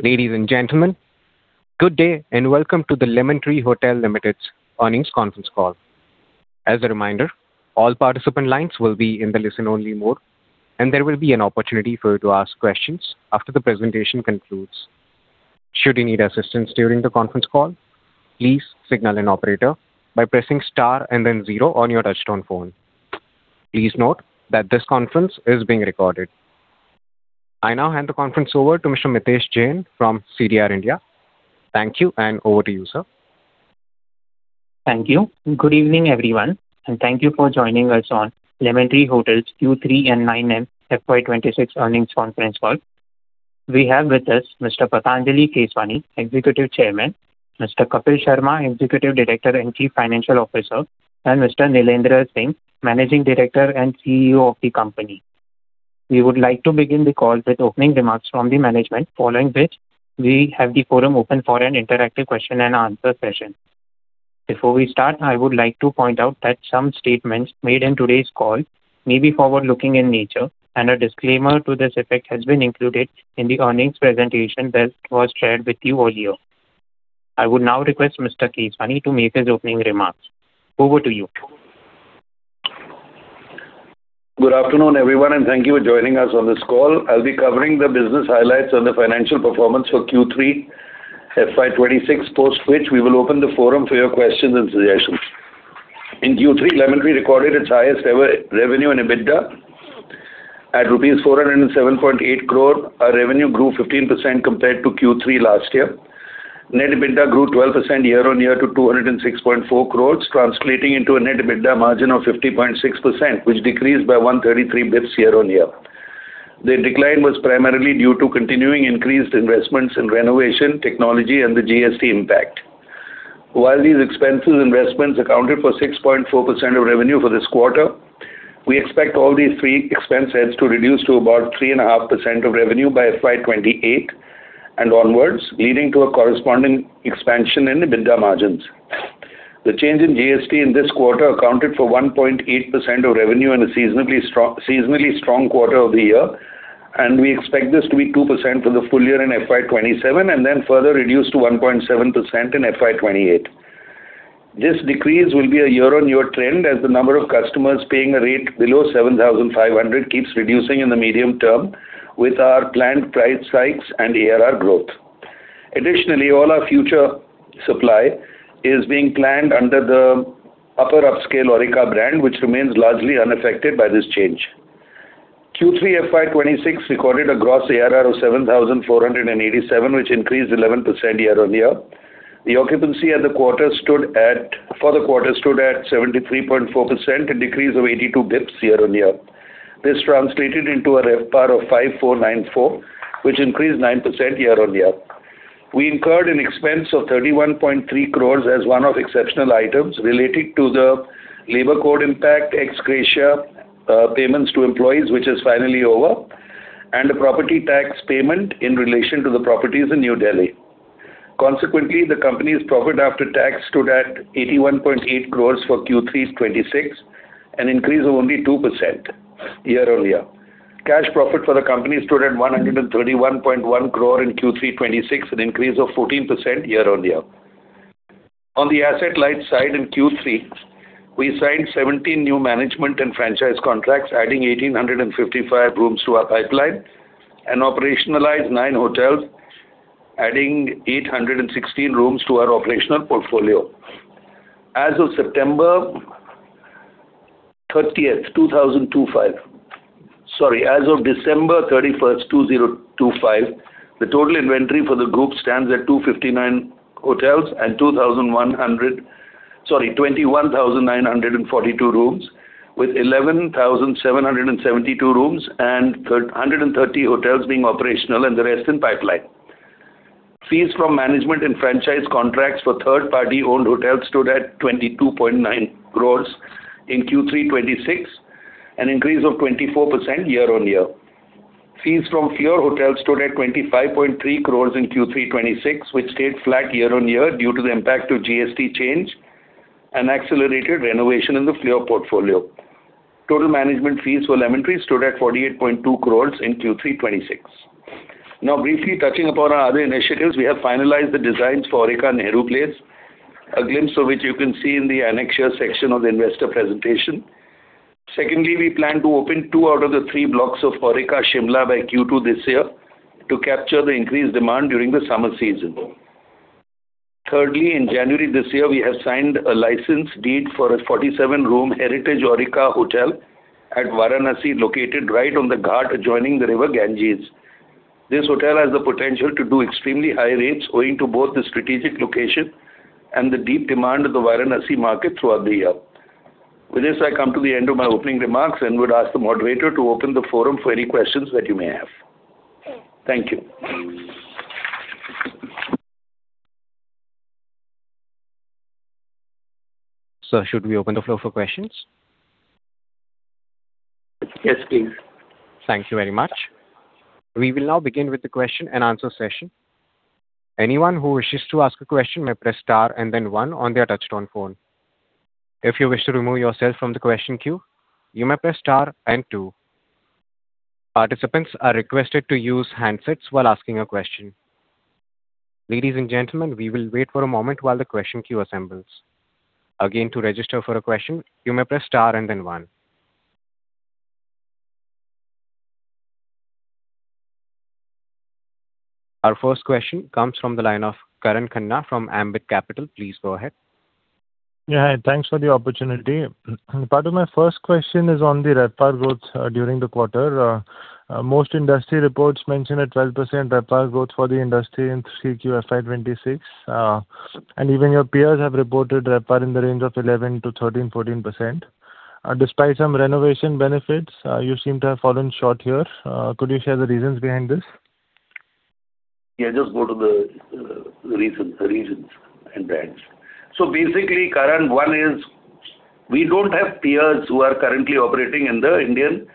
Ladies and gentlemen, good day, and welcome to the Lemon Tree Hotels Limited's earnings conference call. As a reminder, all participant lines will be in the listen-only mode, and there will be an opportunity for you to ask questions after the presentation concludes. Should you need assistance during the conference call, please signal an operator by pressing star and then zero on your touchtone phone. Please note that this conference is being recorded. I now hand the conference over to Mr. Mitesh Jain from CDR India. Thank you, and over to you, sir. Thank you. Good evening, everyone, and thank you for joining us on Lemon Tree Hotels Q3 and nine-month FY 2026 earnings conference call. We have with us Mr. Patanjali Keswani, Executive Chairman, Mr. Kapil Sharma, Executive Director and Chief Financial Officer, and Mr. Vikramjit Singh, Managing Director and CEO of the company. We would like to begin the call with opening remarks from the management, following which we have the forum open for an interactive question and answer session. Before we start, I would like to point out that some statements made in today's call may be forward-looking in nature, and a disclaimer to this effect has been included in the earnings presentation that was shared with you earlier. I would now request Mr. Keswani to make his opening remarks. Over to you. Good afternoon, everyone, and thank you for joining us on this call. I'll be covering the business highlights and the financial performance for Q3 FY 2026, post which we will open the forum for your questions and suggestions. In Q3, Lemon Tree recorded its highest ever revenue and EBITDA. At rupees 407.8 crore, our revenue grew 15% compared to Q3 last year. Net EBITDA grew 12% year-on-year to 206.4 crore, translating into a net EBITDA margin of 50.6%, which decreased by 133 basis points year-on-year. The decline was primarily due to continuing increased investments in renovation, technology, and the GST impact. While these expensive investments accounted for 6.4% of revenue for this quarter, we expect all these three expense heads to reduce to about 3.5% of revenue by FY 2028 and onwards, leading to a corresponding expansion in EBITDA margins. The change in GST in this quarter accounted for 1.8% of revenue and a seasonably strong, seasonably strong quarter of the year, and we expect this to be 2% for the full year in FY 2027, and then further reduced to 1.7% in FY 2028. This decrease will be a year-on-year trend, as the number of customers paying a rate below 7,500 keeps reducing in the medium term with our planned price hikes and ARR growth. Additionally, all our future supply is being planned under the upper upscale Aurika brand, which remains largely unaffected by this change. Q3 FY 2026 recorded a gross ARR of 7,487, which increased 11% year-on-year. The occupancy for the quarter stood at 73.4%, a decrease of 82 basis points year-on-year. This translated into a RevPAR of 5,494, which increased 9% year-on-year. We incurred an expense of 31.3 crore as one-off exceptional items related to the labor code impact, ex gratia payments to employees, which is finally over, and the property tax payment in relation to the properties in New Delhi. Consequently, the company's profit after tax stood at 81.8 crore for Q3 2026, an increase of only 2% year-on-year. Cash profit for the company stood at 131.1 crore in Q3 26, an increase of 14% year-over-year. On the asset-light side in Q3, we signed 17 new management and franchise contracts, adding 1,855 rooms to our pipeline and operationalized 9 hotels, adding 816 rooms to our operational portfolio. As of September 30, 2025... Sorry, as of December 31, 2025, the total inventory for the group stands at 259 hotels and-- sorry, 21,942 rooms, with 11,772 rooms and hundred and thirty hotels being operational and the rest in pipeline. Fees from management and franchise contracts for third-party owned hotels stood at 22.9 crores in Q3 26, an increase of 24% year-over-year. Fees from Fleur Hotels stood at 25.3 crores in Q3 2026, which stayed flat year-on-year due to the impact of GST change and accelerated renovation in the Fleur portfolio. Total management fees for Lemon Tree stood at 48.2 crores in Q3 2026. Now, briefly touching upon our other initiatives, we have finalized the designs for Aurika Nehru Place, a glimpse of which you can see in the annexure section of the investor presentation. Secondly, we plan to open two out of the three blocks of Aurika Shimla by Q2 this year to capture the increased demand during the summer season. Thirdly, in January this year, we have signed a license deed for a 47-room Heritage Aurika hotel at Varanasi, located right on the ghat adjoining the river Ganges. This hotel has the potential to do extremely high rates, owing to both the strategic location and the deep demand of the Varanasi market throughout the year. With this, I come to the end of my opening remarks and would ask the moderator to open the forum for any questions that you may have. Thank you. Sir, should we open the floor for questions? Yes, please. Thank you very much. We will now begin with the question-and-answer session. Anyone who wishes to ask a question may press star and then one on their touchtone phone. If you wish to remove yourself from the question queue, you may press star and two. Participants are requested to use handsets while asking a question. Ladies and gentlemen, we will wait for a moment while the question queue assembles. Again, to register for a question, you may press star and then one. Our first question comes from the line of Karan Khanna from Ambit Capital. Please go ahead. Yeah, hi. Thanks for the opportunity. Part of my first question is on the RevPAR growth during the quarter. Most industry reports mention a 12% RevPAR growth for the industry in 3Q FY 2026. Even your peers have reported RevPAR in the range of 11%-14%. Despite some renovation benefits, you seem to have fallen short here. Could you share the reasons behind this? Yeah, just go to the reasons, the reasons and brands. So basically, Karan, one is we don't have peers who are currently operating in the Indian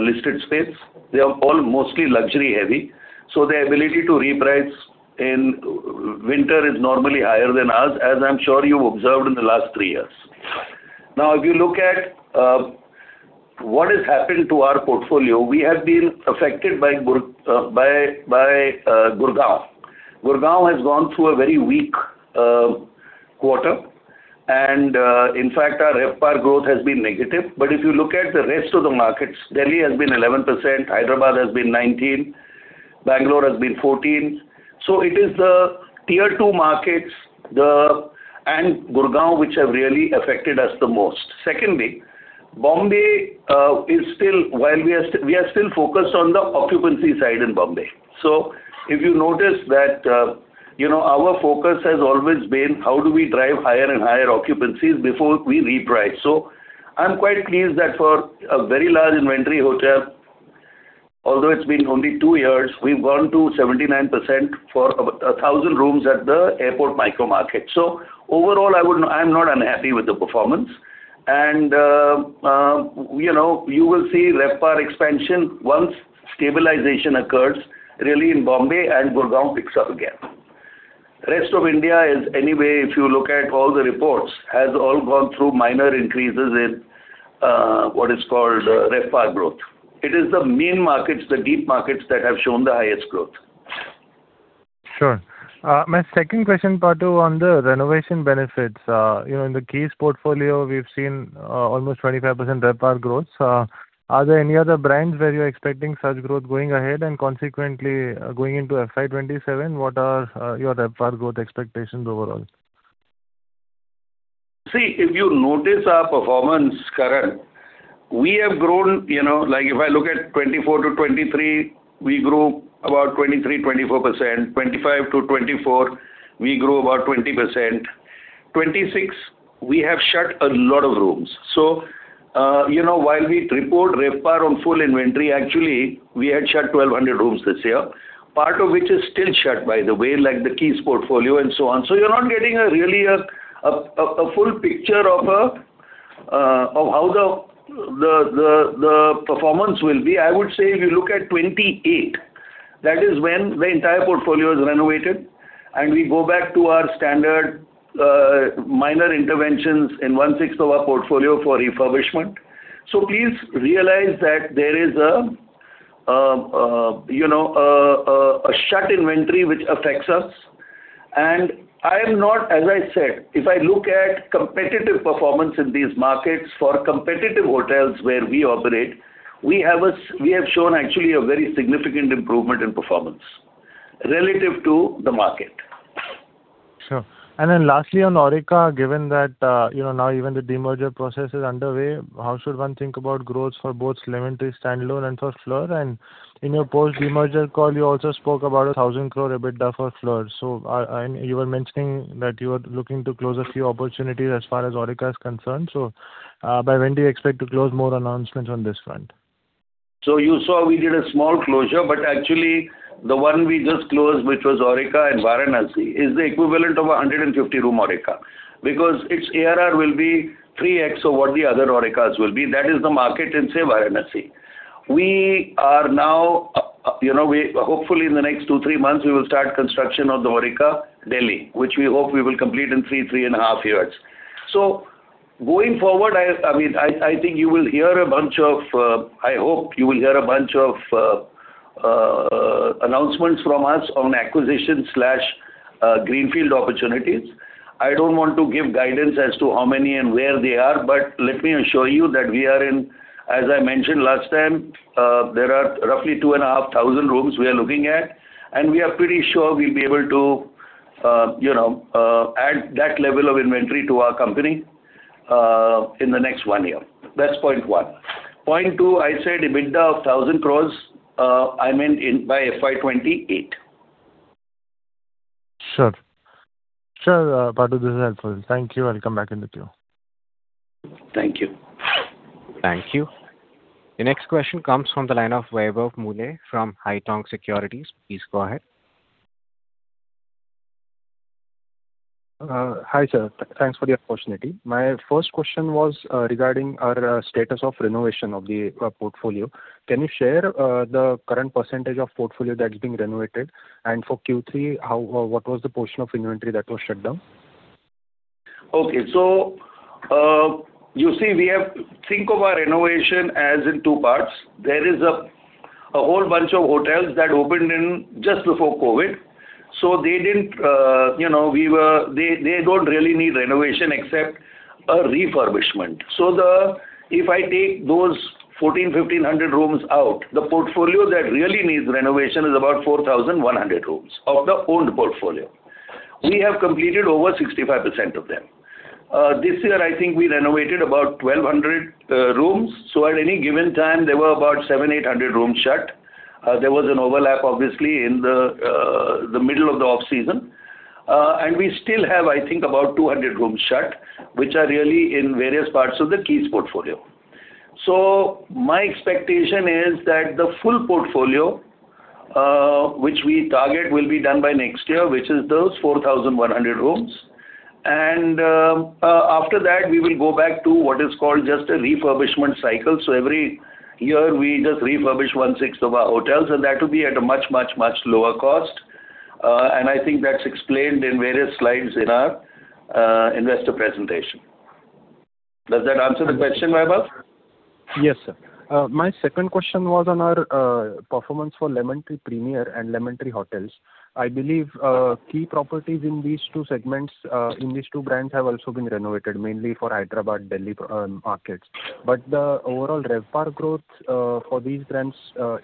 listed space. They are all mostly luxury heavy, so their ability to reprice in winter is normally higher than ours, as I'm sure you've observed in the last 3 years. Now, if you look at what has happened to our portfolio, we have been affected by Gurugram. Gurugram has gone through a very weak quarter, and in fact, our RevPAR growth has been negative. But if you look at the rest of the markets, Delhi has been 11%, Hyderabad has been 19%, Bengaluru has been 14%. So it is the tier two markets, and Gurugram, which have really affected us the most. Secondly, Mumbai is still... While we are still, we are still focused on the occupancy side in Mumbai. So if you notice that, you know, our focus has always been how do we drive higher and higher occupancies before we reprice? So I'm quite pleased that for a very large inventory hotel, although it's been only two years, we've gone to 79% for about 1,000 rooms at the airport micro market. So overall, I would, I'm not unhappy with the performance. And, you know, you will see RevPAR expansion once stabilization occurs, really in Mumbai and Gurugram picks up again. Rest of India is anyway, if you look at all the reports, has all gone through minor increases in, what is called, RevPAR growth. It is the main markets, the deep markets, that have shown the highest growth. Sure. My second question, Patanjali, on the renovation benefits. You know, in the Keys portfolio, we've seen almost 25% RevPAR growth. Are there any other brands where you're expecting such growth going ahead? And consequently, going into FY 27, what are your RevPAR growth expectations overall? See, if you notice our performance, Karan, we have grown, you know, like, if I look at 2024 to 2023, we grew about 23%-24%. 2025 to 2024, we grew about 20%. 2026, we have shut a lot of rooms. So, you know, while we report RevPAR on full inventory, actually, we had shut 1,200 rooms this year, part of which is still shut, by the way, like the Keys portfolio and so on. So you're not getting a really, a full picture of how the performance will be. I would say if you look at 2028, that is when the entire portfolio is renovated, and we go back to our standard, minor interventions in one-sixth of our portfolio for refurbishment. Please realize that there is, you know, a shut inventory which affects us. I am not, as I said, if I look at competitive performance in these markets for competitive hotels where we operate, we have shown actually a very significant improvement in performance relative to the market. Sure. And then lastly, on Aurika, given that, you know, now even the demerger process is underway, how should one think about growth for both Lemon Tree standalone and for Fleur? And in your post-demerger call, you also spoke about 1,000 crore EBITDA for Fleur. So, and you were mentioning that you are looking to close a few opportunities as far as Aurika is concerned. So, by when do you expect to close more announcements on this front? So you saw we did a small closure, but actually the one we just closed, which was Aurika in Varanasi, is the equivalent of a 150-room Aurika. Because its ARR will be 3x of what the other Aurikas will be. That is the market in, say, Varanasi. We are now, you know, we hopefully in the next 2-3 months, we will start construction of the Aurika Delhi, which we hope we will complete in 3-3.5 years. So going forward, I mean, I think you will hear a bunch of... I hope you will hear a bunch of announcements from us on acquisition slash greenfield opportunities. I don't want to give guidance as to how many and where they are, but let me assure you that we are in. As I mentioned last time, there are roughly 2,500 rooms we are looking at, and we are pretty sure we'll be able to, you know, add that level of inventory to our company, in the next one year. That's point one. Point two, I said EBITDA of 1,000 crore, I meant in by FY 2028. Sure. Sure, Patu, this is helpful. Thank you. I'll come back into queue. Thank you. Thank you. The next question comes from the line of Vaibhav Mohile from Haitong Securities. Please go ahead. Hi, sir. Thanks for the opportunity. My first question was regarding our status of renovation of the portfolio. Can you share the current percentage of portfolio that is being renovated? And for Q3, what was the portion of inventory that was shut down?... Okay, so you see, we have. Think of our renovation as in two parts. There is a whole bunch of hotels that opened in just before COVID, so they didn't, you know, we were. They don't really need renovation except a refurbishment. So if I take those 1,400-1,500 rooms out, the portfolio that really needs renovation is about 4,100 rooms of the owned portfolio. We have completed over 65% of them. This year, I think we renovated about 1,200 rooms, so at any given time, there were about 700-800 rooms shut. There was an overlap, obviously, in the middle of the off-season. And we still have, I think, about 200 rooms shut, which are really in various parts of the Keys portfolio. So my expectation is that the full portfolio, which we target, will be done by next year, which is those 4,100 rooms. And, after that, we will go back to what is called just a refurbishment cycle. So every year we just refurbish one-sixth of our hotels, and that will be at a much, much, much lower cost. And I think that's explained in various slides in our investor presentation. Does that answer the question, Vaibhav? Yes, sir. My second question was on our performance for Lemon Tree Premier and Lemon Tree Hotels. I believe key properties in these two segments, in these two brands have also been renovated, mainly for Hyderabad, Delhi markets. But the overall RevPAR growth for these brands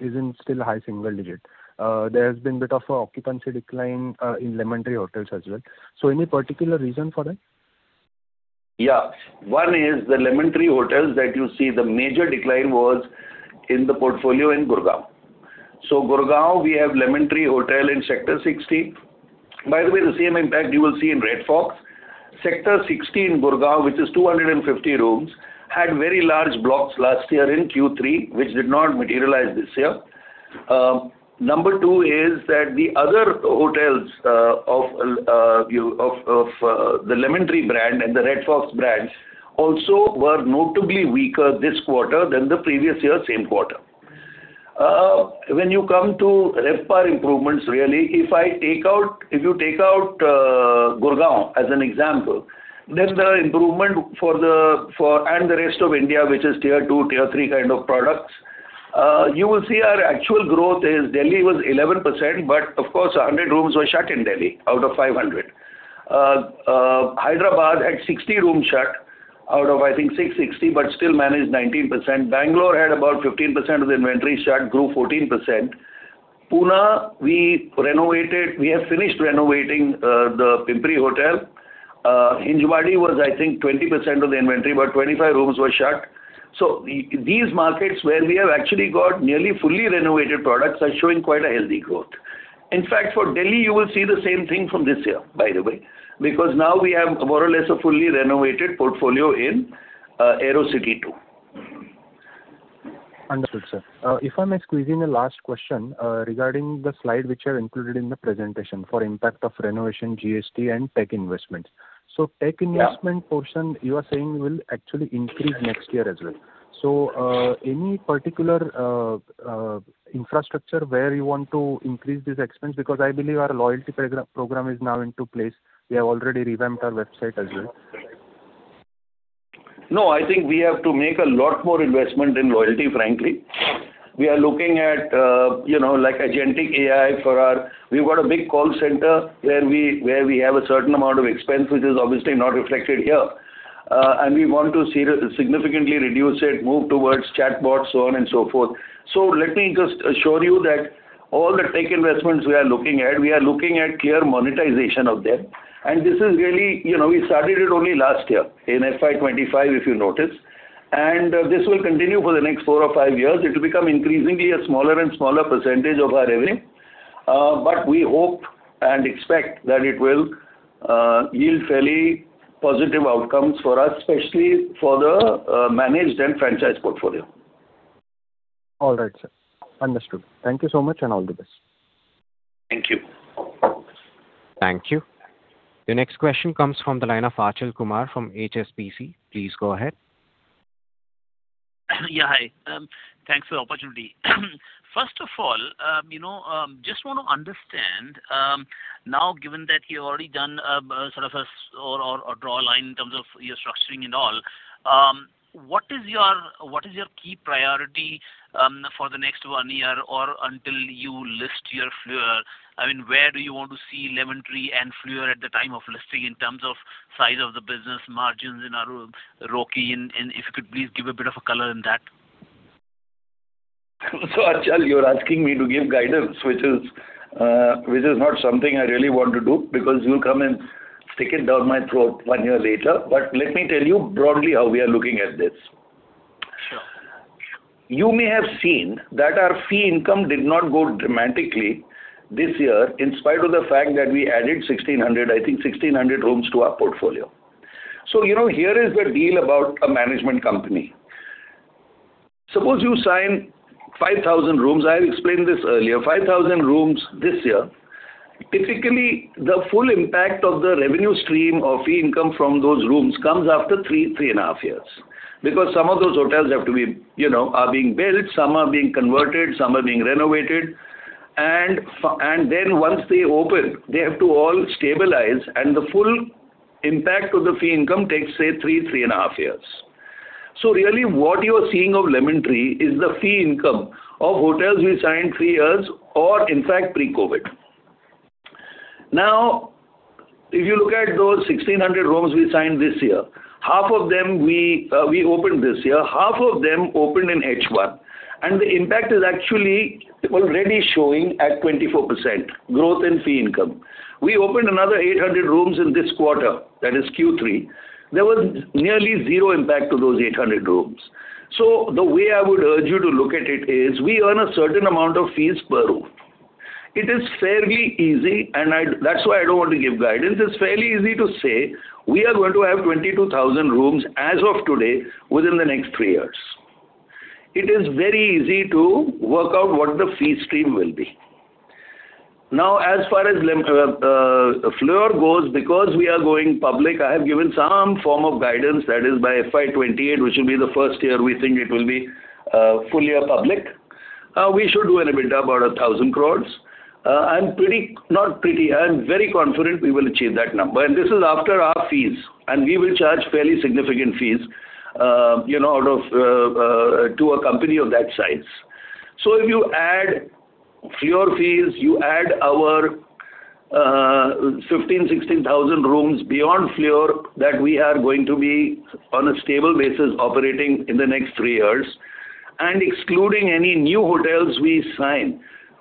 is still in high single digits. There has been a bit of an occupancy decline in Lemon Tree Hotels as well. So any particular reason for that? Yeah. One is the Lemon Tree Hotels that you see, the major decline was in the portfolio in Gurgaon. So Gurgaon, we have Lemon Tree Hotel in Sector 60. By the way, the same impact you will see in Red Fox. Sector 60, Gurgaon, which is 250 rooms, had very large blocks last year in Q3, which did not materialize this year. Number 2 is that the other hotels, of the Lemon Tree brand and the Red Fox brands also were notably weaker this quarter than the previous year, same quarter. When you come to RevPAR improvements, really, if you take out Gurugram as an example, then the improvement for the—for and the rest of India, which is tier two, tier three kind of products, you will see our actual growth is Delhi was 11%, but of course, 100 rooms were shut in Delhi out of 500. Hyderabad had 60 rooms shut out of, I think, 660, but still managed 19%. Bengaluru had about 15% of the inventory shut, grew 14%. Pune, we have finished renovating the Pimpri hotel. Hinjawadi was, I think, 20% of the inventory, but 25 rooms were shut. So these markets where we have actually got nearly fully renovated products are showing quite a healthy growth. In fact, for Delhi, you will see the same thing from this year, by the way, because now we have more or less a fully renovated portfolio in Aerocity, too. Understood, sir. If I may squeeze in a last question, regarding the slide which are included in the presentation for impact of renovation, GST, and tech investments. So tech investment- Yeah... portion, you are saying will actually increase next year as well. So, any particular infrastructure where you want to increase this expense? Because I believe our loyalty program is now in place. We have already revamped our website as well. No, I think we have to make a lot more investment in loyalty, frankly. We are looking at, you know, like agentic AI for our. We've got a big call center where we have a certain amount of expense, which is obviously not reflected here. And we want to significantly reduce it, move towards chatbot, so on and so forth. So let me just assure you that all the tech investments we are looking at, we are looking at clear monetization of them. And this is really, you know, we started it only last year, in FY 2025, if you notice, and this will continue for the next four or five years. It will become increasingly a smaller and smaller percentage of our revenue, but we hope and expect that it will yield fairly positive outcomes for us, especially for the managed and franchise portfolio. All right, sir. Understood. Thank you so much, and all the best. Thank you. Thank you. The next question comes from the line of Achal Kumar from HSBC. Please go ahead. Yeah, hi. Thanks for the opportunity. First of all, you know, just want to understand, now, given that you've already done, sort of a draw a line in terms of your structuring and all, what is your-- what is your key priority, for the next one year or until you list your Fleur? I mean, where do you want to see Lemon Tree and Fleur at the time of listing in terms of size of the business, margins in our ROCE, and, and if you could please give a bit of a color in that? So Achal, you're asking me to give guidance, which is not something I really want to do because you'll come and stick it down my throat one year later. But let me tell you broadly how we are looking at this. Sure. You may have seen that our fee income did not go dramatically this year, in spite of the fact that we added 1,600, I think, 1,600 rooms to our portfolio. So, you know, here is the deal about a management company. Suppose you sign 5,000 rooms, I explained this earlier, 5,000 rooms this year. Typically, the full impact of the revenue stream or fee income from those rooms comes after three, three and a half years. Because some of those hotels have to be, you know, are being built, some are being converted, some are being renovated. And then once they open, they have to all stabilize, and the full impact of the fee income takes, say, three, three and a half years. So really, what you are seeing of Lemon Tree is the fee income of hotels we signed 3 years or in fact, pre-COVID. Now, if you look at those 1,600 rooms we signed this year, half of them we opened this year, half of them opened in H1, and the impact is actually already showing at 24% growth in fee income. We opened another 800 rooms in this quarter, that is Q3. There was nearly zero impact to those 800 rooms. So the way I would urge you to look at it is, we earn a certain amount of fees per room. It is fairly easy, and that's why I don't want to give guidance. It's fairly easy to say we are going to have 22,000 rooms as of today, within the next 3 years. It is very easy to work out what the fee stream will be. Now, as far as Fleur goes, because we are going public, I have given some form of guidance, that is by FY 2028, which will be the first year we think it will be, fully a public. We should do an EBITDA about 1,000 crore. I'm pretty - not pretty, I'm very confident we will achieve that number. And this is after our fees, and we will charge fairly significant fees, you know, out of, to a company of that size. So if you add Fleur fees, you add our 15,000-16,000 rooms beyond Fleur that we are going to be on a stable basis operating in the next three years, and excluding any new hotels we sign,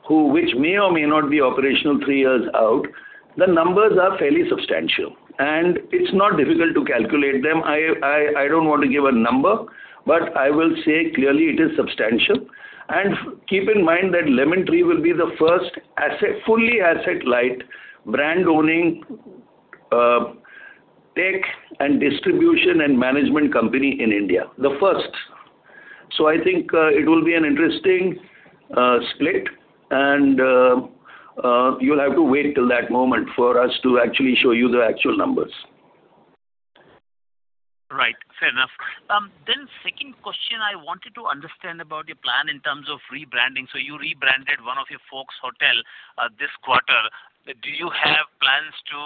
which may or may not be operational three years out, the numbers are fairly substantial, and it's not difficult to calculate them. I don't want to give a number, but I will say clearly it is substantial. And keep in mind that Lemon Tree will be the first asset, fully asset-light, brand owning, tech and distribution and management company in India. The first. So I think it will be an interesting split, and you'll have to wait till that moment for us to actually show you the actual numbers. Right. Fair enough. Then second question, I wanted to understand about your plan in terms of rebranding. So you rebranded one of your Fox Hotel this quarter. Do you have plans to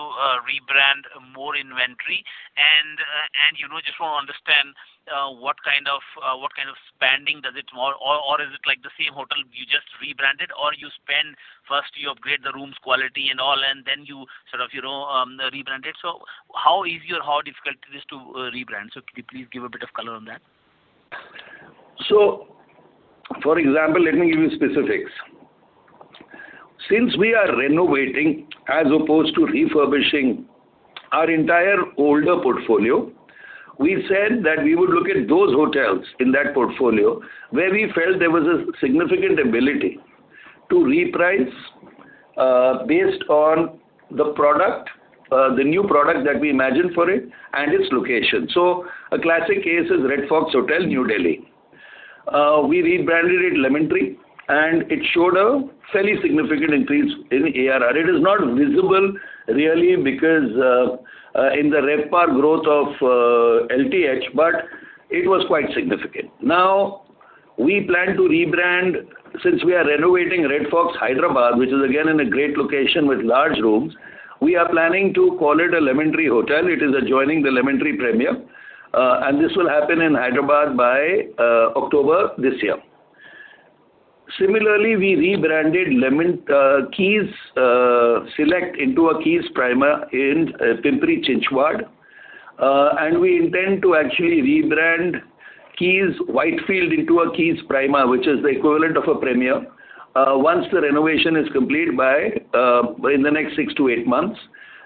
rebrand more inventory? And you know, just want to understand what kind of what kind of spending does it more or is it like the same hotel you just rebranded, or you spend, first you upgrade the rooms quality and all, and then you sort of, you know, rebrand it? So how easy or how difficult it is to rebrand? So could you please give a bit of color on that. So, for example, let me give you specifics. Since we are renovating as opposed to refurbishing our entire older portfolio, we said that we would look at those hotels in that portfolio, where we felt there was a significant ability to reprice, based on the product, the new product that we imagined for it and its location. So a classic case is Red Fox Hotel, New Delhi. We rebranded it Lemon Tree, and it showed a fairly significant increase in ARR. It is not visible really, because, in the RevPAR growth of, LTH, but it was quite significant. Now, we plan to rebrand since we are renovating Red Fox, Hyderabad, which is again in a great location with large rooms, we are planning to call it a Lemon Tree hotel. It is adjoining the Lemon Tree Premier, and this will happen in Hyderabad by October this year. Similarly, we rebranded Lemon Keys Select into a Keys Prima in Pimpri-Chinchwad, and we intend to actually rebrand Keys Whitefield into a Keys Prima, which is the equivalent of a premier, once the renovation is complete in the next 6-8 months,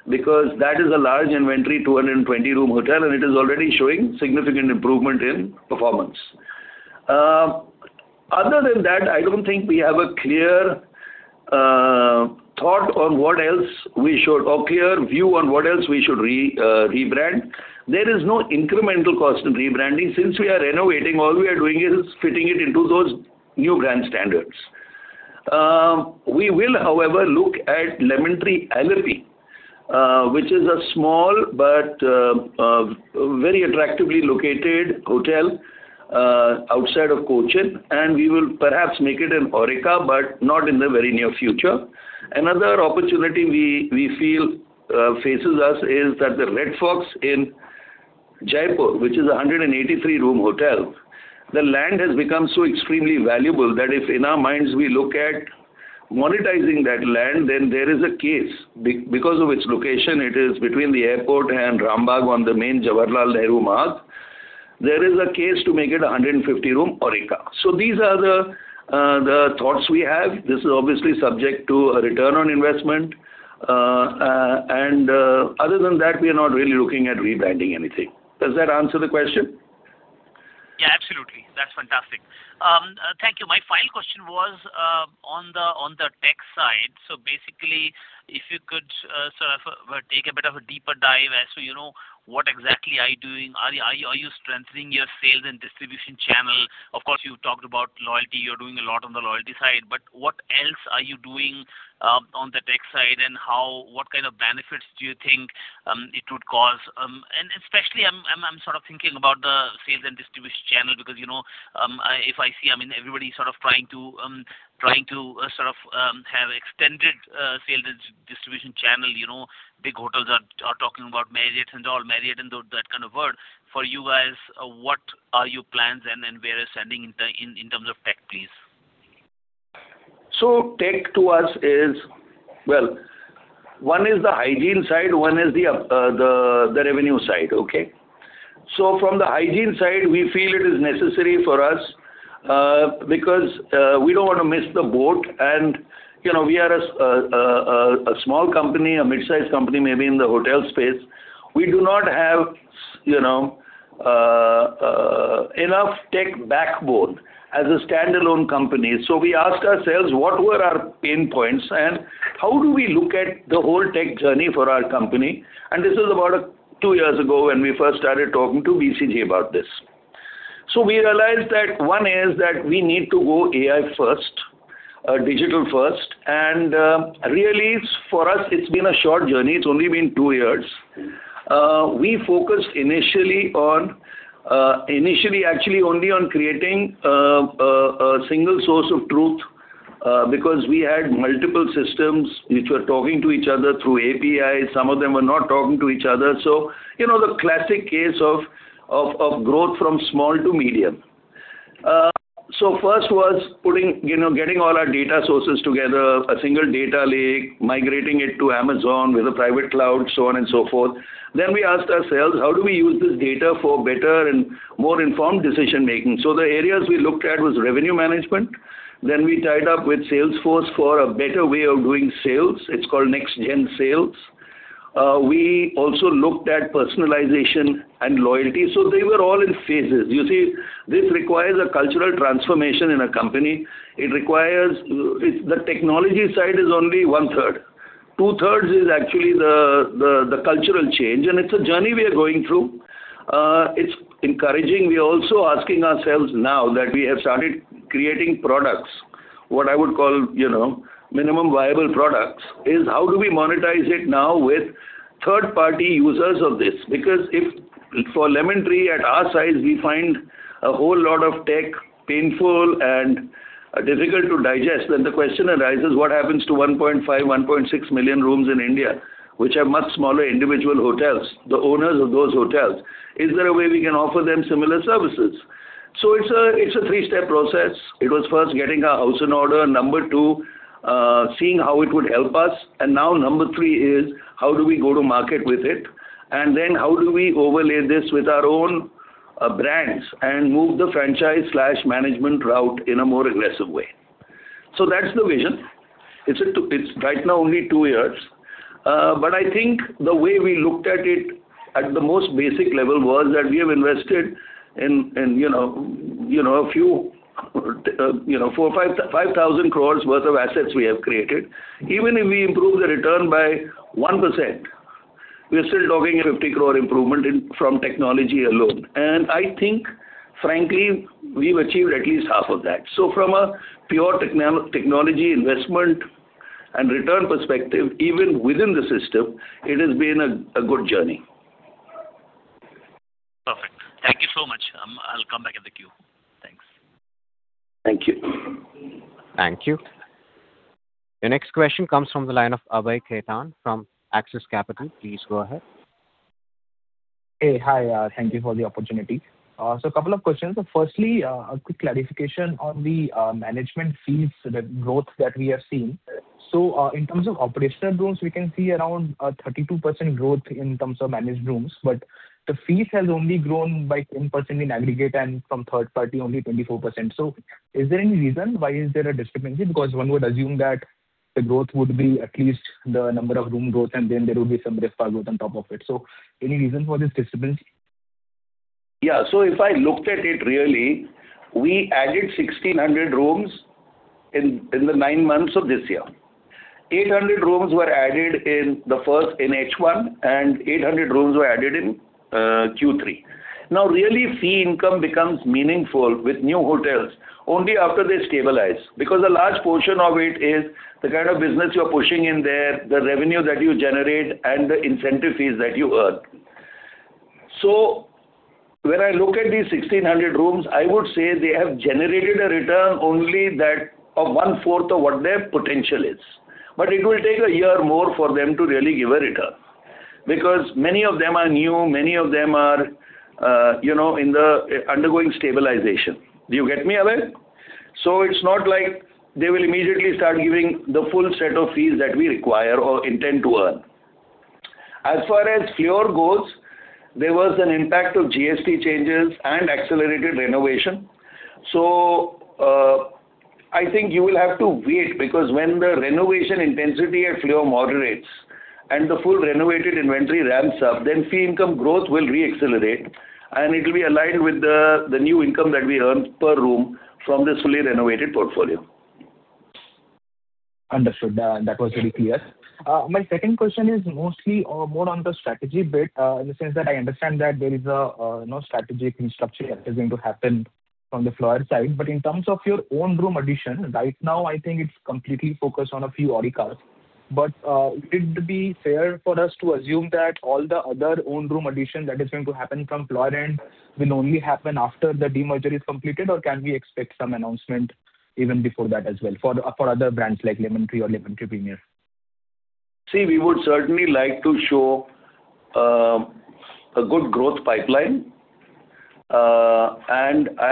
because that is a large inventory, 220-room hotel, and it is already showing significant improvement in performance. Other than that, I don't think we have a clear thought on what else we should—or clear view on what else we should rebrand. There is no incremental cost in rebranding. Since we are renovating, all we are doing is fitting it into those new brand standards. We will, however, look at Lemon Tree Alappuzha, which is a small but very attractively located hotel outside of Kochi, and we will perhaps make it an Aurika, but not in the very near future. Another opportunity we feel faces us is that the Red Fox in Jaipur, which is a 183-room hotel, the land has become so extremely valuable that if in our minds we look at monetizing that land, then there is a case. Because of its location, it is between the airport and Rambagh on the main Jawaharlal Nehru Marg. There is a case to make it a 150-room Aurika. So these are the thoughts we have. This is obviously subject to a return on investment. Other than that, we are not really looking at rebranding anything. Does that answer the question? Yeah, absolutely. That's fantastic. Thank you. My final question was on the tech side. So basically, if you could sort of take a bit of a deeper dive as to, you know, what exactly are you doing? Are you strengthening your sales and distribution channel? Of course, you talked about loyalty. You're doing a lot on the loyalty side, but what else are you doing on the tech side, and how—what kind of benefits do you think it would cause? And especially, I'm sort of thinking about the sales and distribution channel, because, you know-... If I see, I mean, everybody sort of trying to have extended sales distribution channel, you know, big hotels are talking about Marriott and all, Marriott and that kind of world. For you guys, what are your plans and then where is standing in terms of tech, please? So tech to us is... Well, one is the hygiene side, one is the up, revenue side, okay? So from the hygiene side, we feel it is necessary for us, because we don't want to miss the boat. And, you know, we are a small company, a mid-sized company, maybe in the hotel space. We do not have you know, enough tech backbone as a standalone company. So we ask ourselves: What were our pain points, and how do we look at the whole tech journey for our company? And this is about two years ago when we first started talking to BCG about this. So we realized that one is that we need to go AI first, digital first, and really for us, it's been a short journey. It's only been two years. We focused initially on, initially, actually only on creating a single source of truth because we had multiple systems which were talking to each other through API. Some of them were not talking to each other. So, you know, the classic case of growth from small to medium. So first was putting, you know, getting all our data sources together, a single data lake, migrating it to Amazon with a private cloud, so on and so forth. Then we asked ourselves: How do we use this data for better and more informed decision-making? So the areas we looked at was revenue management. Then we tied up with Salesforce for a better way of doing sales. It's called Next Gen Sales. We also looked at personalization and loyalty. So they were all in phases. You see, this requires a cultural transformation in a company. It requires. The technology side is only one third. Two thirds is actually the cultural change, and it's a journey we are going through. It's encouraging. We're also asking ourselves now that we have started creating products, what I would call, you know, minimum viable products, is how do we monetize it now with third-party users of this? Because if for Lemon Tree, at our size, we find a whole lot of tech painful and difficult to digest, then the question arises: What happens to 1.5, 1.6 million rooms in India, which are much smaller individual hotels, the owners of those hotels? Is there a way we can offer them similar services? So it's a three-step process. It was first getting our house in order. Number 2, seeing how it would help us. And now number 3 is: How do we go to market with it? And then how do we overlay this with our own, brands and move the franchise/management route in a more aggressive way? So that's the vision. It's a two- It's right now, only 2 years. But I think the way we looked at it at the most basic level was that we have invested in, in, you know, you know, a few, you know, 4, 5, 5,000 crore worth of assets we have created. Even if we improve the return by 1%, we are still talking an 50 crore improvement in, from technology alone. And I think, frankly, we've achieved at least half of that. So from a pure technology investment and return perspective, even within the system, it has been a good journey. Perfect. Thank you so much. I'll come back in the queue. Thanks. Thank you. Thank you. The next question comes from the line of Abhay Khaitan from Axis Capital. Please go ahead. Hey, hi, thank you for the opportunity. So a couple of questions. Firstly, a quick clarification on the management fees, the growth that we have seen. So, in terms of operational rooms, we can see around 32% growth in terms of managed rooms, but the fees has only grown by 10% in aggregate and from third party, only 24%. So is there any reason why is there a discrepancy? Because one would assume that the growth would be at least the number of room growth, and then there would be some risk growth on top of it. So any reason for this discrepancy? Yeah. So if I looked at it really, we added 1,600 rooms in the nine months of this year. 800 rooms were added in the first, in H1, and 800 rooms were added in Q3. Now, really, fee income becomes meaningful with new hotels only after they stabilize, because a large portion of it is the kind of business you're pushing in there, the revenue that you generate, and the incentive fees that you earn. So when I look at these 1,600 rooms, I would say they have generated a return only that of one-fourth of what their potential is. But it will take a year or more for them to really give a return, because many of them are new, many of them are, you know, in the undergoing stabilization. Do you get me, Abhay? So it's not like they will immediately start giving the full set of fees that we require or intend to earn. As far as Fleur goes, there was an impact of GST changes and accelerated renovation. So, I think you will have to wait, because when the renovation intensity at Fleur moderates and the full renovated inventory ramps up, then fee income growth will re-accelerate, and it will be aligned with the new income that we earn per room from this fully renovated portfolio. Understood. That was very clear. My second question is mostly more on the strategy bit, in the sense that I understand that there is a, you know, strategic restructure that is going to happen from the Fleur side. But in terms of your own room addition, right now, I think it's completely focused on a few Aurikas.... But, would it be fair for us to assume that all the other owned room addition that is going to happen from Fleur end will only happen after the demerger is completed? Or can we expect some announcement even before that as well, for, for other brands like Lemon Tree or Lemon Tree Premier? See, we would certainly like to show a good growth pipeline. I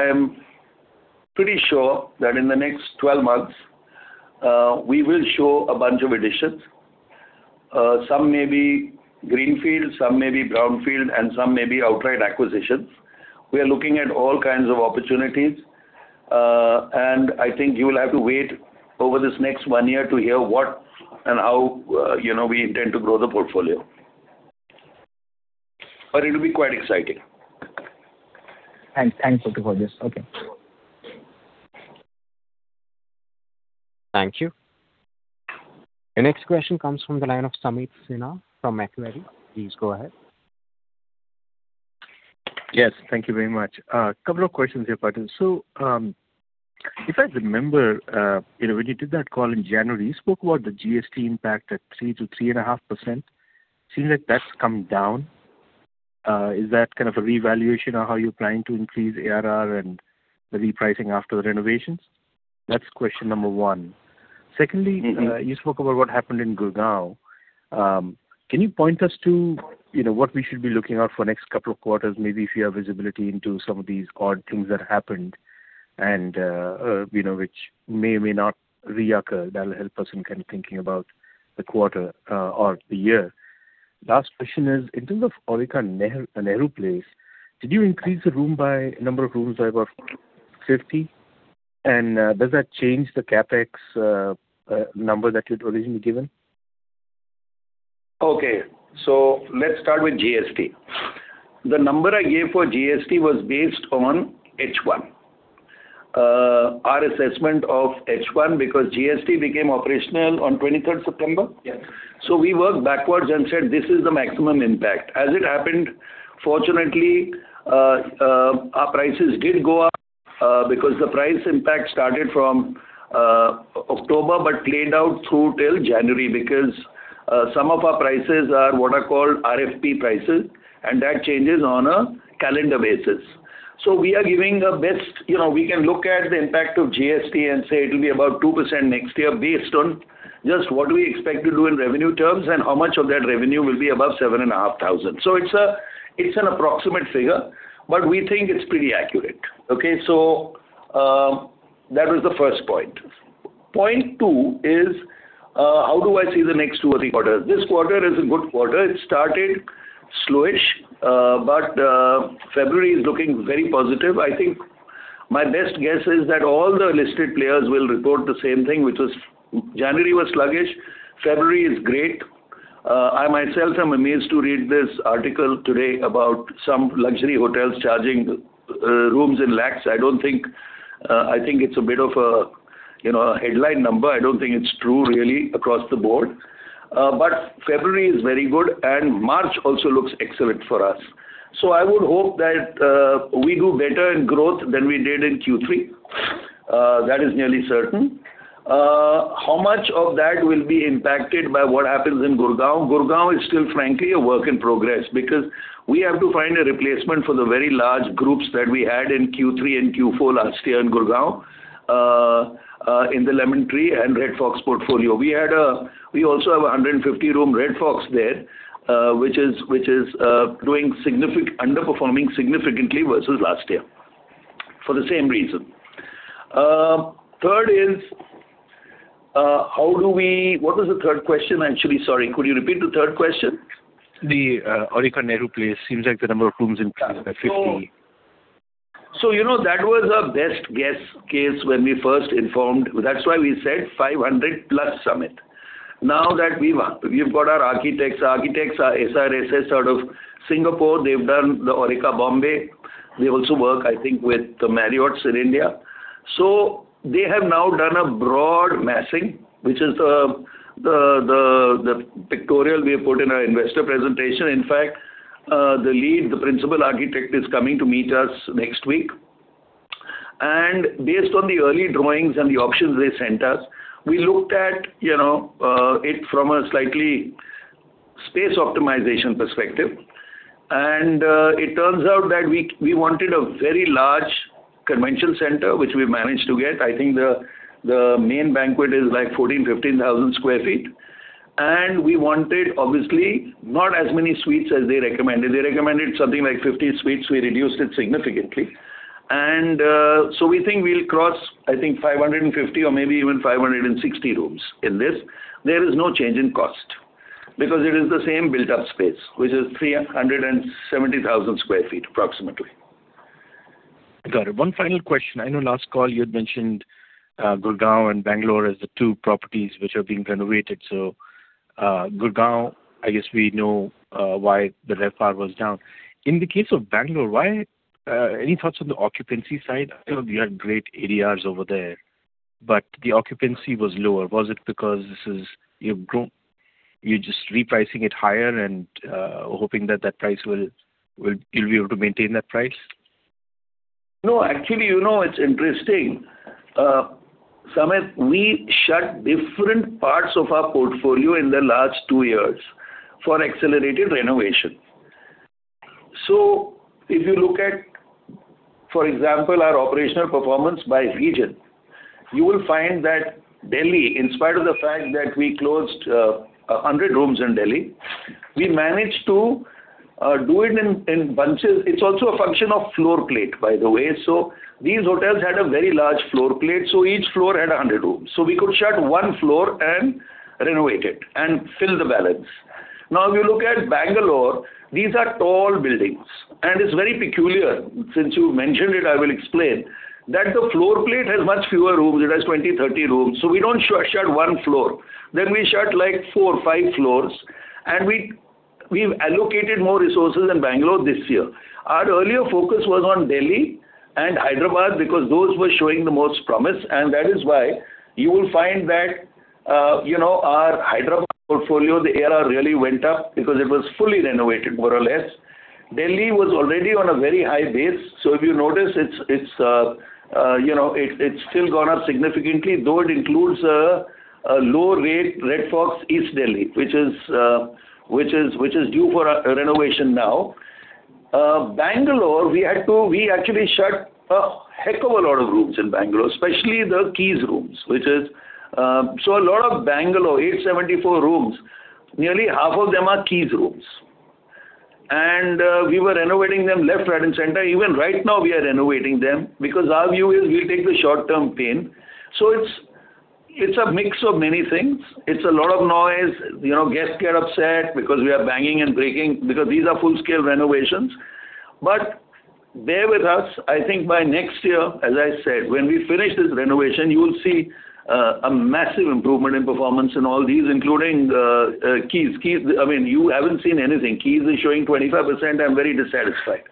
am pretty sure that in the next 12 months, we will show a bunch of additions. Some may be greenfield, some may be brownfield, and some may be outright acquisitions. We are looking at all kinds of opportunities, and I think you will have to wait over this next one year to hear what and how, you know, we intend to grow the portfolio. But it will be quite exciting. Thanks. Thanks, okay, for this. Okay. Thank you. The next question comes from the line of Sumit Sinha from Macquarie. Please go ahead. Yes, thank you very much. Couple of questions here, Patel. So, if I remember, you know, when you did that call in January, you spoke about the GST impact at 3%-3.5%. Seems like that's come down. Is that kind of a revaluation of how you're planning to increase ARR and the repricing after the renovations? That's question number one. Secondly- Mm-hmm. You spoke about what happened in Gurugram. Can you point us to, you know, what we should be looking out for next couple of quarters? Maybe if you have visibility into some of these odd things that happened, and, you know, which may or may not reoccur. That'll help us in kind of thinking about the quarter, or the year. Last question is, in terms of Aurika Nehru Place, did you increase the number of rooms by about 50? And, does that change the CapEx number that you'd originally given? Okay, so let's start with GST. The number I gave for GST was based on H1, our assessment of H1, because GST became operational on twenty-third September. Yes. So we worked backwards and said, "This is the maximum impact." As it happened, fortunately, our prices did go up because the price impact started from October, but played out through till January, because some of our prices are what are called RFP prices, and that changes on a calendar basis. So we are giving the best. You know, we can look at the impact of GST and say it will be about 2% next year, based on just what do we expect to do in revenue terms, and how much of that revenue will be above 7,500. So it's a, it's an approximate figure, but we think it's pretty accurate. Okay, so that was the first point. Point two is how do I see the next two or three quarters? This quarter is a good quarter. It started slowish, but February is looking very positive. I think my best guess is that all the listed players will report the same thing, which was January was sluggish, February is great. I myself am amazed to read this article today about some luxury hotels charging rooms in lakhs. I don't think, I think it's a bit of a, you know, a headline number. I don't think it's true, really, across the board. But February is very good, and March also looks excellent for us. So I would hope that we do better in growth than we did in Q3. That is nearly certain. How much of that will be impacted by what happens in Gurugram? Gurugram is still, frankly, a work in progress, because we have to find a replacement for the very large groups that we had in Q3 and Q4 last year in Gurugram, in the Lemon Tree and Red Fox portfolio. We also have a 150-room Red Fox there, which is doing significant... underperforming significantly versus last year, for the same reason. Third is, what was the third question, actually? Sorry, could you repeat the third question? The Aurika Nehru Place. Seems like the number of rooms increased by 50. So you know, that was our best guess case when we first informed. That's why we said 500+, Sumit. Now that we've got our architects, architects are SRSS out of Singapore. They've done the Aurika Mumbai. They also work, I think, with the Marriotts in India. So they have now done a broad massing, which is the pictorial we have put in our investor presentation. In fact, the lead, the principal architect, is coming to meet us next week. And based on the early drawings and the options they sent us, we looked at you know, it from a slightly space optimization perspective. And it turns out that we wanted a very large convention center, which we managed to get. I think the main banquet is like 14,000-15,000 sq ft. We wanted, obviously, not as many suites as they recommended. They recommended something like 50 suites. We reduced it significantly. So we think we'll cross, I think, 550 or maybe even 560 rooms in this. There is no change in cost, because it is the same built-up space, which is 370,000 sq ft, approximately. Got it. One final question. I know last call you had mentioned Gurugram and Bengaluru as the two properties which are being renovated. So, Gurugram, I guess we know why the RevPAR was down. In the case of Bengaluru, why... Any thoughts on the occupancy side? I know you had great ADRs over there, but the occupancy was lower. Was it because this is, you've grown, you're just repricing it higher and hoping that that price will you'll be able to maintain that price? ... No, actually, you know, it's interesting. Sumit, we shut different parts of our portfolio in the last two years for accelerated renovation. So if you look at, for example, our operational performance by region, you will find that Delhi, in spite of the fact that we closed 100 rooms in Delhi, we managed to do it in bunches. It's also a function of floor plate, by the way. So these hotels had a very large floor plate, so each floor had 100 rooms. So we could shut one floor and renovate it and fill the balance. Now, if you look at Bengaluru, these are tall buildings, and it's very peculiar. Since you mentioned it, I will explain that the floor plate has much fewer rooms. It has 20, 30 rooms, so we don't shut one floor. Then we shut, like, four or five floors, and we've allocated more resources in Bengaluru this year. Our earlier focus was on Delhi and Hyderabad because those were showing the most promise, and that is why you will find that, you know, our Hyderabad portfolio, the ARR really went up because it was fully renovated, more or less. Delhi was already on a very high base, so if you notice, it's still gone up significantly, though it includes a low rate Red Fox East Delhi, which is due for a renovation now. Bangalore, we had to we actually shut a heck of a lot of rooms in Bangalore, especially the Keys rooms, which is. So a lot of Bangalore, 874 rooms, nearly half of them are Keys rooms. And, we were renovating them left, right, and center. Even right now, we are renovating them because our view is we take the short-term pain. So it's a mix of many things. It's a lot of noise. You know, guests get upset because we are banging and breaking, because these are full-scale renovations. But bear with us, I think by next year, as I said, when we finish this renovation, you will see a massive improvement in performance in all these, including Keys. Keys, I mean, you haven't seen anything. Keys is showing 25%, I'm very dissatisfied.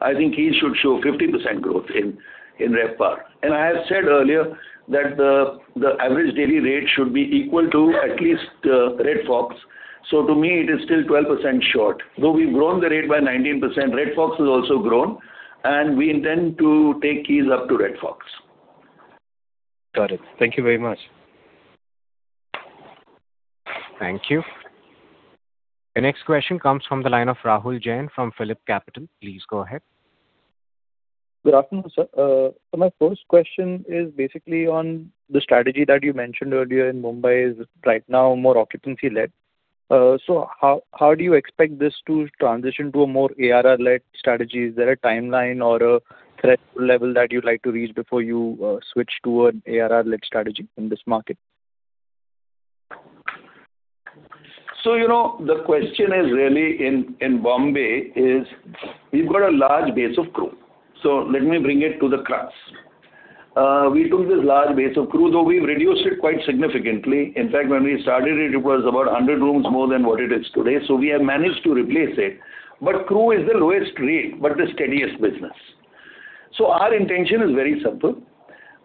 I think Keys should show 50% growth in RevPAR. And I have said earlier that the average daily rate should be equal to at least Red Fox. So to me, it is still 12% short. Though we've grown the rate by 19%, Red Fox has also grown, and we intend to take Keys up to Red Fox. Got it. Thank you very much. Thank you. The next question comes from the line of Rahul Jain from PhillipCapital. Please go ahead. Good afternoon, sir. So my first question is basically on the strategy that you mentioned earlier in Mumbai is right now more occupancy-led. So how do you expect this to transition to a more ARR-led strategy? Is there a timeline or a threshold level that you'd like to reach before you switch to an ARR-led strategy in this market? So, you know, the question is really in, in Bombay is we've got a large base of crew. So let me bring it to the crux. We took this large base of crew, though we've reduced it quite significantly. In fact, when we started it, it was about 100 rooms more than what it is today, so we have managed to replace it. But crew is the lowest rate, but the steadiest business. So our intention is very simple,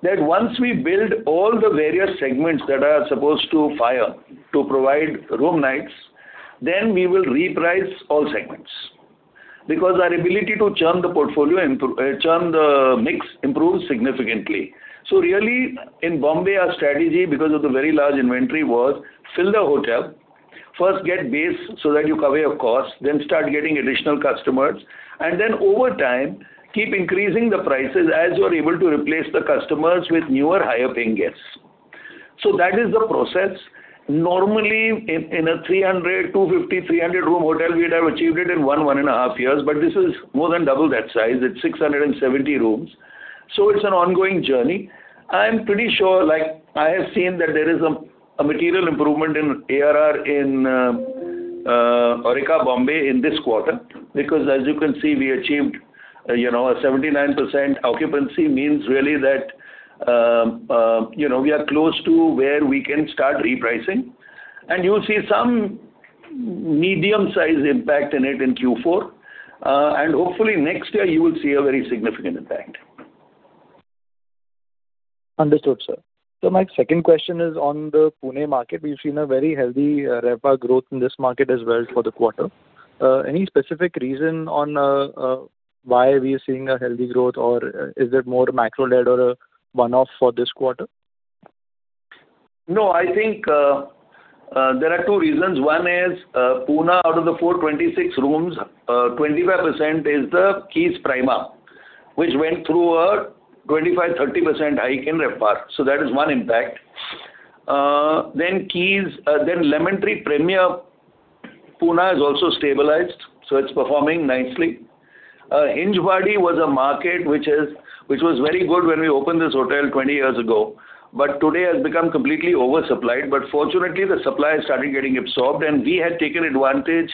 that once we build all the various segments that are supposed to fire to provide room nights, then we will reprice all segments. Because our ability to churn the portfolio, churn the mix improves significantly. So really, in Bombay, our strategy, because of the very large inventory, was fill the hotel. First, get base so that you cover your costs, then start getting additional customers, and then over time, keep increasing the prices as you are able to replace the customers with newer, higher-paying guests. So that is the process. Normally, in a 250-300-room hotel, we'd have achieved it in 1-1.5 years, but this is more than double that size. It's 670 rooms, so it's an ongoing journey. I'm pretty sure, like I have seen, that there is a material improvement in ARR in Aurika, Mumbai in this quarter, because as you can see, we achieved, you know, a 79% occupancy means really that, you know, we are close to where we can start repricing. And you'll see some medium-sized impact in it in Q4. Hopefully next year you will see a very significant impact. Understood, sir. So my second question is on the Pune market. We've seen a very healthy, RevPAR growth in this market as well for the quarter. Any specific reason on, why we are seeing a healthy growth, or is it more macro-led or a one-off for this quarter? No, I think, there are two reasons. One is, Pune, out of the 426 rooms, 25% is the Keys Prima, which went through a 25%-30% hike in RevPAR, so that is one impact. Then Keys, then Lemon Tree Premier Pune has also stabilized, so it's performing nicely. Hinjawadi was a market which was very good when we opened this hotel 20 years ago, but today has become completely oversupplied. But fortunately, the supply has started getting absorbed, and we had taken advantage,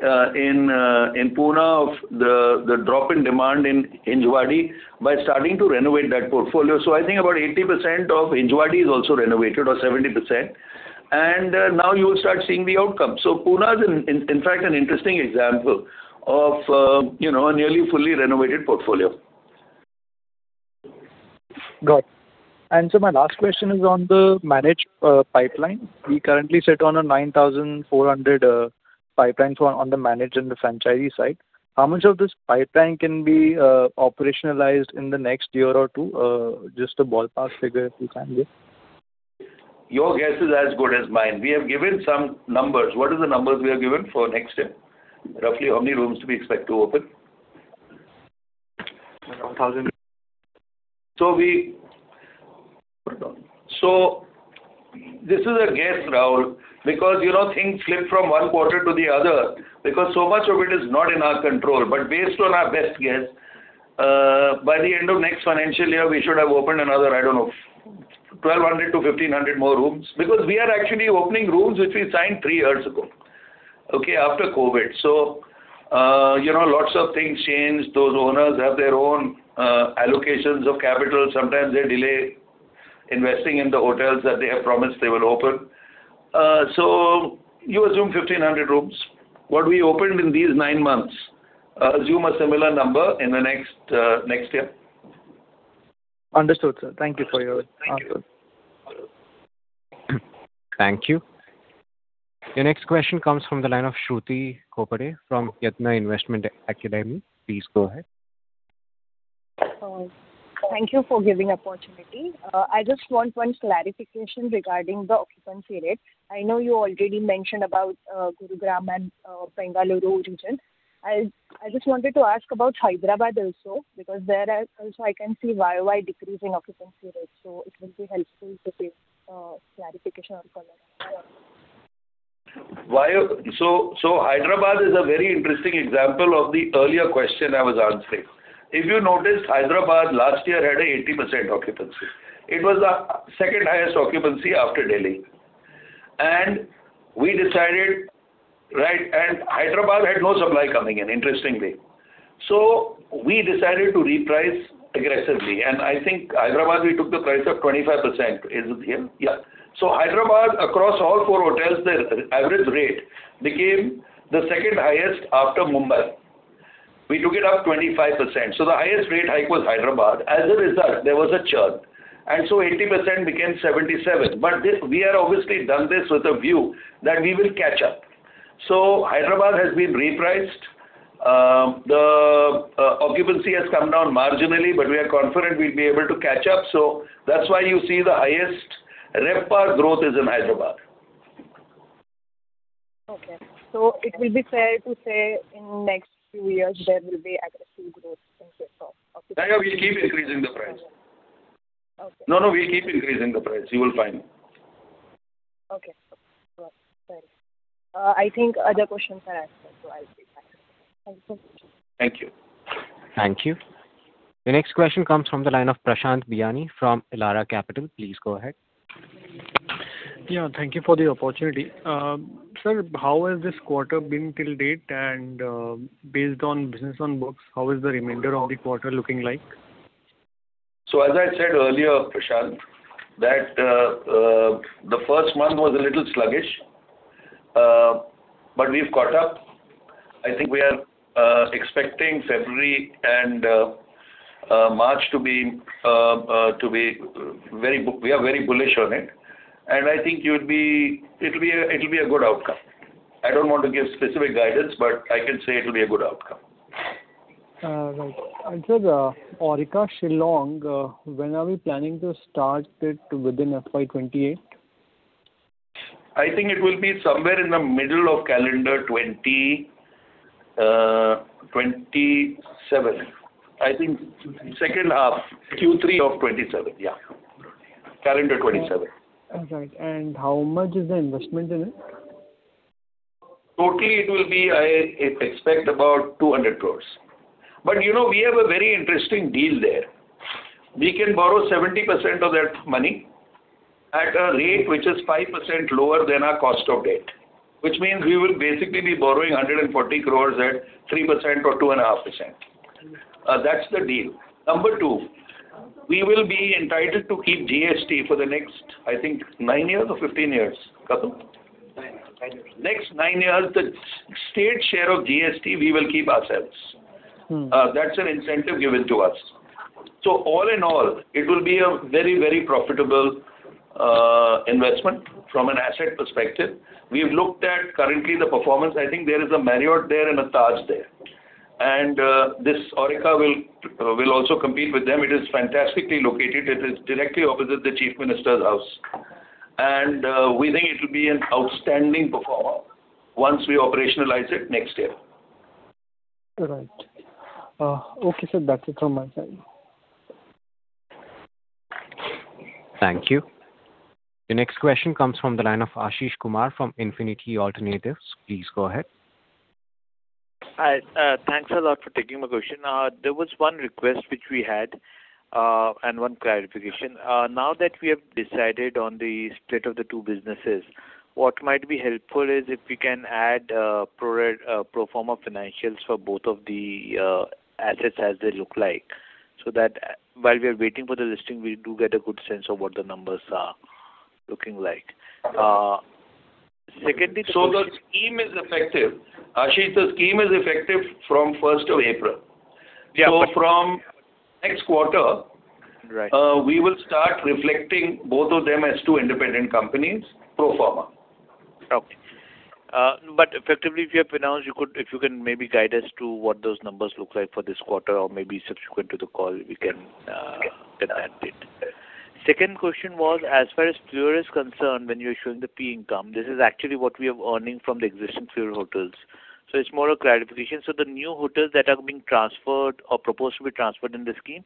in, in Pune of the, the drop in demand in Hinjawadi by starting to renovate that portfolio. So I think about 80% of Hinjawadi is also renovated, or 70%, and now you will start seeing the outcome. So Pune is in fact an interesting example of, you know, a nearly fully renovated portfolio. ... Got it. And so my last question is on the managed pipeline. We currently sit on a 9,400 pipeline for on the managed and the franchisee side. How much of this pipeline can be operationalized in the next year or two? Just a ballpark figure, if you can give. Your guess is as good as mine. We have given some numbers. What are the numbers we have given for next year? Roughly how many rooms do we expect to open? Around 1,000. So this is a guess, Rahul, because, you know, things flip from one quarter to the other, because so much of it is not in our control. But based on our best guess, by the end of next financial year, we should have opened another, I don't know, 1,200-1,500 more rooms. Because we are actually opening rooms which we signed three years ago, okay, after COVID. So, you know, lots of things changed. Those owners have their own, allocations of capital. Sometimes they delay investing in the hotels that they have promised they will open. So you assume 1,500 rooms. What we opened in these nine months, assume a similar number in the next, next year. Understood, sir. Thank you for your answer. Thank you. Thank you. Your next question comes from the line of Shruti Khopade from Yadnya Investment Academy. Please go ahead. Thank you for giving opportunity. I just want one clarification regarding the occupancy rate. I know you already mentioned about Gurugram and Bengaluru region. I just wanted to ask about Hyderabad also, because there I also I can see YoY decreasing occupancy rates, so it will be helpful to get clarification on that. So Hyderabad is a very interesting example of the earlier question I was answering. If you noticed, Hyderabad last year had 80% occupancy. It was the second highest occupancy after Delhi. And we decided, right, and Hyderabad had no supply coming in, interestingly. So we decided to reprice aggressively, and I think Hyderabad, we took the price of 25%. Is it him? Yeah. So Hyderabad, across all four hotels, the average rate became the second highest after Mumbai. We took it up 25%. So the highest rate hike was Hyderabad. As a result, there was a churn, and so 80% became 77%. But this, we have obviously done this with a view that we will catch up. So Hyderabad has been repriced. The occupancy has come down marginally, but we are confident we'll be able to catch up. That's why you see the highest RevPAR growth is in Hyderabad. Okay. It will be fair to say, in next few years, there will be aggressive growth in this off- Yeah, we keep increasing the price. Okay. No, no, we keep increasing the price. You will find. Okay. I think other questions are asked, so I'll take back. Thank you so much. Thank you. Thank you. The next question comes from the line of Prashant Biyani from Elara Capital. Please go ahead. Yeah, thank you for the opportunity. Sir, how has this quarter been till date? And based on business on books, how is the remainder of the quarter looking like? So as I said earlier, Prashant, that the first month was a little sluggish, but we've caught up. I think we are expecting February and March to be. We are very bullish on it. And I think you'd be... It'll be a good outcome. I don't want to give specific guidance, but I can say it will be a good outcome. Right. Sir, Aurika, when are we planning to start it within FY 2028? I think it will be somewhere in the middle of calendar 2027. I think second half, Q3 of 2027. Yeah. Calendar 2027. Right. How much is the investment in it? Totally, it will be, I expect, about 200 crore. But you know, we have a very interesting deal there. We can borrow 70% of that money at a rate which is 5% lower than our cost of debt, which means we will basically be borrowing 140 crore at 3% or 2.5%. That's the deal. Number two, we will be entitled to keep GST for the next, I think, 9 years or 15 years. Kapil? Nine years. Next 9 years, the state share of GST, we will keep ourselves. Mm. That's an incentive given to us. So all in all, it will be a very, very profitable investment from an asset perspective. We've looked at currently the performance. I think there is a Marriott there and a Taj there. And this Aurika will also compete with them. It is fantastically located. It is directly opposite the Chief Minister's house. And we think it will be an outstanding performer once we operationalize it next year. Right. Okay, sir. That's it from my side. Thank you. The next question comes from the line of Ashish Kumar from Infinity Alternatives. Please go ahead. Hi. Thanks a lot for taking my question. There was one request which we had, and one clarification. Now that we have decided on the state of the two businesses, what might be helpful is if we can add pro forma financials for both of the assets as they look like, so that while we are waiting for the listing, we do get a good sense of what the numbers are looking like. ... So the scheme is effective. Ashish, the scheme is effective from first of April. Yeah, but- From next quarter- Right. We will start reflecting both of them as two independent companies, pro forma. Okay. But effectively, if you have pronounced, you could, if you can maybe guide us to what those numbers look like for this quarter, or maybe subsequent to the call, we can get that bit. Second question was, as far as Fleur is concerned, when you're showing the fee income, this is actually what we are earning from the existing Fleur hotels. So it's more a clarification. So the new hotels that are being transferred or proposed to be transferred in this scheme,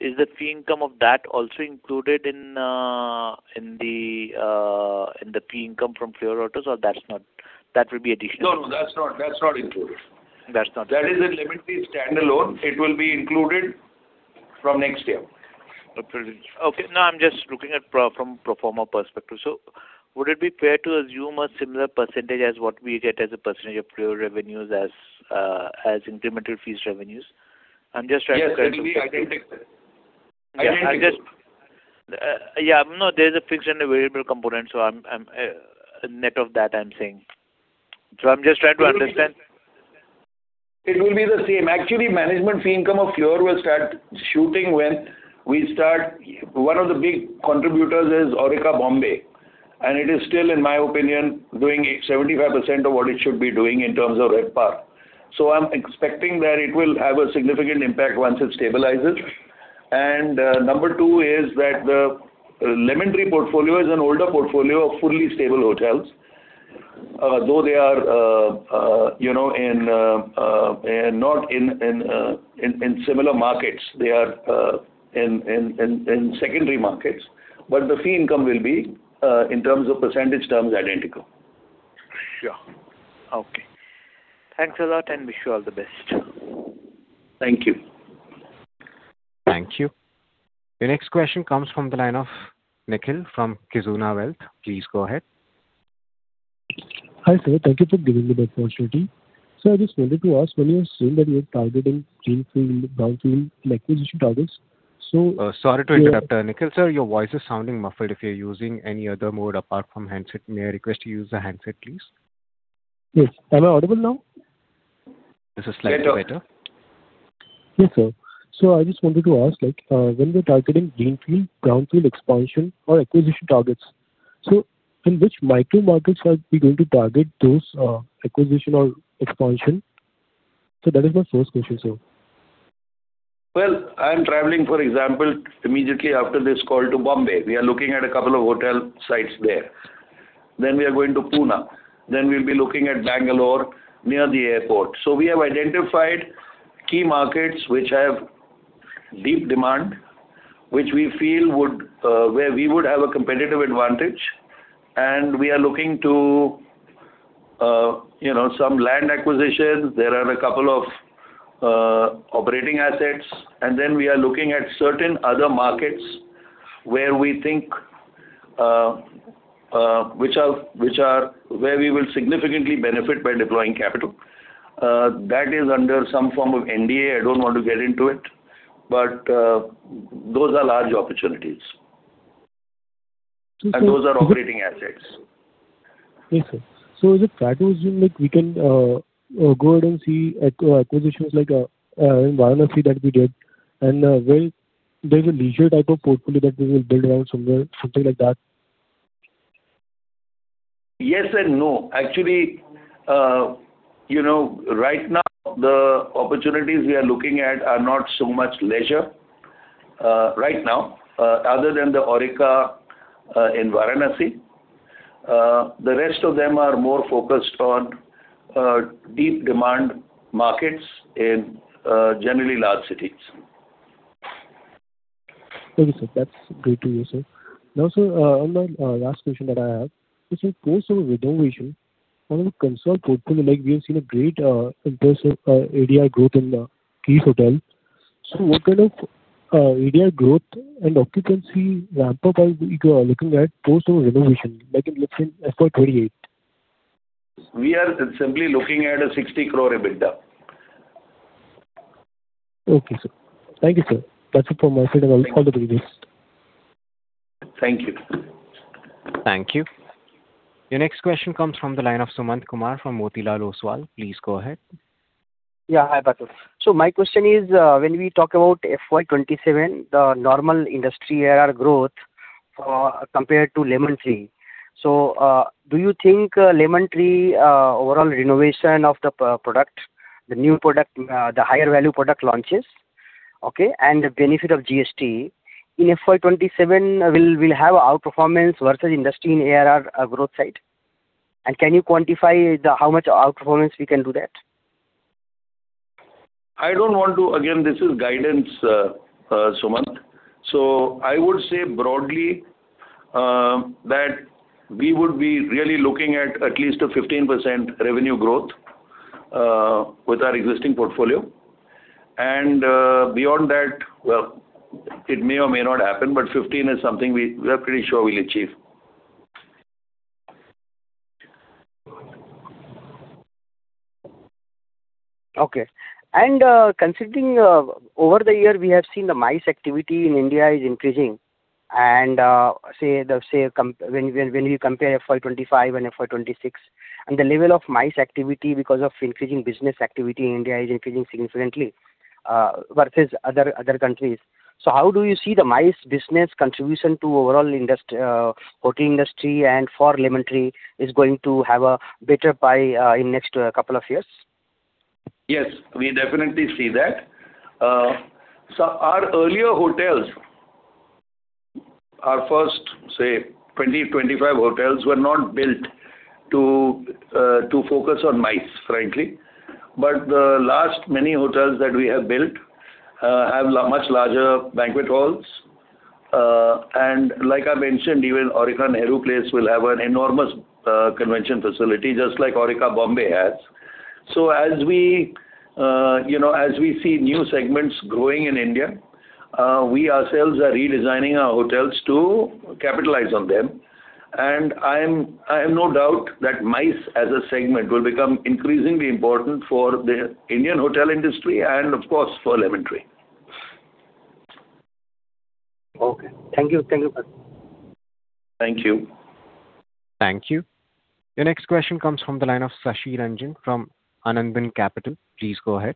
is the fee income of that also included in the fee income from Fleur hotels, or that's not, that will be additional? No, no, that's not, that's not included. That's not included. That is in Lemon Tree standalone. It will be included from next year. Okay. No, I'm just looking at pro- from pro forma perspective. So would it be fair to assume a similar percentage as what we get as a percentage of Fleur revenues as, as incremental fees revenues? I'm just trying to- Yes, it will be identical. Identical. I just, yeah, no, there's a fixed and a variable component, so I'm, I'm, net of that, I'm saying. So I'm just trying to understand. It will be the same. Actually, management fee income of Fleur will start shooting when we start. One of the big contributors is Aurika Mumbai, and it is still, in my opinion, doing 75% of what it should be doing in terms of RevPAR. So I'm expecting that it will have a significant impact once it stabilizes. Number two is that the Lemon Tree portfolio is an older portfolio of fully stable hotels. Though they are, you know, not in similar markets, they are in secondary markets, but the fee income will be, in terms of percentage terms, identical. Sure. Okay. Thanks a lot, and wish you all the best. Thank you. Thank you. The next question comes from the line of. Nikhil from Kizuna Wealth. Please go ahead. Hi, sir. Thank you for giving me the opportunity. Sir, I just wanted to ask, when you are saying that you are targeting greenfield and brownfield acquisition targets, so- Sorry to interrupt, Nikhil, sir, your voice is sounding muffled. If you're using any other mode apart from handset, may I request you use the handset, please? Yes. Am I audible now? This is slightly better. Better. Yes, sir. So I just wanted to ask, like, when we're targeting greenfield, brownfield expansion or acquisition targets, so in which micro markets are we going to target those, acquisition or expansion? So that is my first question, sir. Well, I'm traveling, for example, immediately after this call to Mumbai. We are looking at a couple of hotel sites there. Then we are going to Pune, then we'll be looking at Bengaluru, near the airport. So we have identified key markets which have deep demand, which we feel would, where we would have a competitive advantage, and we are looking to, you know, some land acquisition. There are a couple of operating assets, and then we are looking at certain other markets where we think, which are, which are where we will significantly benefit by deploying capital. That is under some form of NDA. I don't want to get into it, but, those are large opportunities. Okay. Those are operating assets. Yes, sir. So is it practical, like we can go ahead and see acquisitions like in Varanasi that we did, and where there's a leisure type of portfolio that we will build around somewhere, something like that? Yes and no. Actually, you know, right now, the opportunities we are looking at are not so much leisure, right now, other than the Aurika in Varanasi. The rest of them are more focused on deep demand markets in generally large cities. Thank you, sir. That's great to hear, sir. Now, sir, on the last question that I have, is in course of renovation, one of the concern portfolio, like we have seen a great impressive ADR growth in Keys Hotels. So what kind of ADR growth and occupancy ramp up are we looking at post your renovation, like in, let's say, FY 2028? We are simply looking at a 60 crore EBITDA. Okay, sir. Thank you, sir. That's it from my side, and I wish all the very best. Thank you. Thank you. The next question comes from the line of Sumant Kumar from Motilal Oswal. Please go ahead. Yeah, hi, Parthot. So my question is, when we talk about FY 2027, the normal industry ARR growth, compared to Lemon Tree. So, do you think, Lemon Tree, overall renovation of the product, the new product, the higher value product launches, okay, and the benefit of GST in FY 2027 will have outperformance versus industry in ARR, growth side? And can you quantify the, how much outperformance we can do that? I don't want to... Again, this is guidance, Sumant. So I would say broadly, that we would be really looking at at least a 15% revenue growth, with our existing portfolio. And, beyond that, well, it may or may not happen, but 15 is something we are pretty sure we'll achieve.... Okay. And, considering, over the year, we have seen the MICE activity in India is increasing. And, say, when you compare FY 2025 and FY 2026, and the level of MICE activity because of increasing business activity in India is increasing significantly, versus other countries. So how do you see the MICE business contribution to overall indust-, hotel industry and for Lemon Tree is going to have a better pie, in next, couple of years? Yes, we definitely see that. So our earlier hotels, our first, say, 20-25 hotels, were not built to focus on MICE, frankly. But the last many hotels that we have built have much larger banquet halls. And like I mentioned, even Aurika Nehru Place will have an enormous convention facility, just like Aurika Mumbai has. So as we you know, as we see new segments growing in India, we ourselves are redesigning our hotels to capitalize on them. And I have no doubt that MICE, as a segment, will become increasingly important for the Indian hotel industry and, of course, for Lemon Tree. Okay. Thank you. Thank you, sir. Thank you. Thank you. The next question comes from the line of Shashi Ranjan from Anand Rathi. Please go ahead.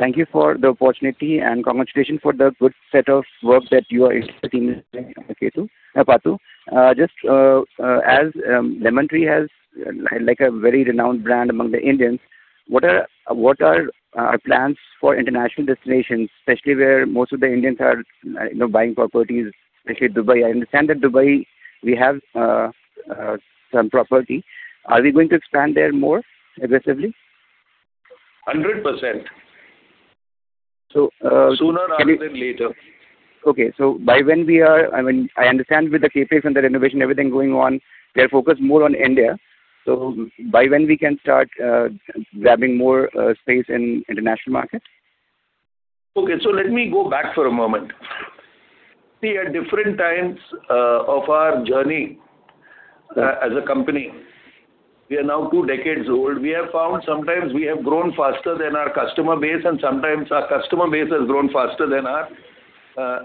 Thank you for the opportunity, and congratulations for the good set of work that you are expecting, Kapil, Patu. Just, as Lemon Tree has like a very renowned brand among the Indians, what are plans for international destinations, especially where most of the Indians are, you know, buying properties, especially Dubai? I understand that Dubai, we have some property. Are we going to expand there more aggressively? Hundred percent. Can we- Sooner rather than later. Okay. So by when we are—I mean, I understand with the CapEx and the renovation, everything going on, we are focused more on India. So by when we can start, grabbing more, space in international markets? Okay, so let me go back for a moment. See, at different times of our journey as a company, we are now two decades old. We have found sometimes we have grown faster than our customer base, and sometimes our customer base has grown faster than our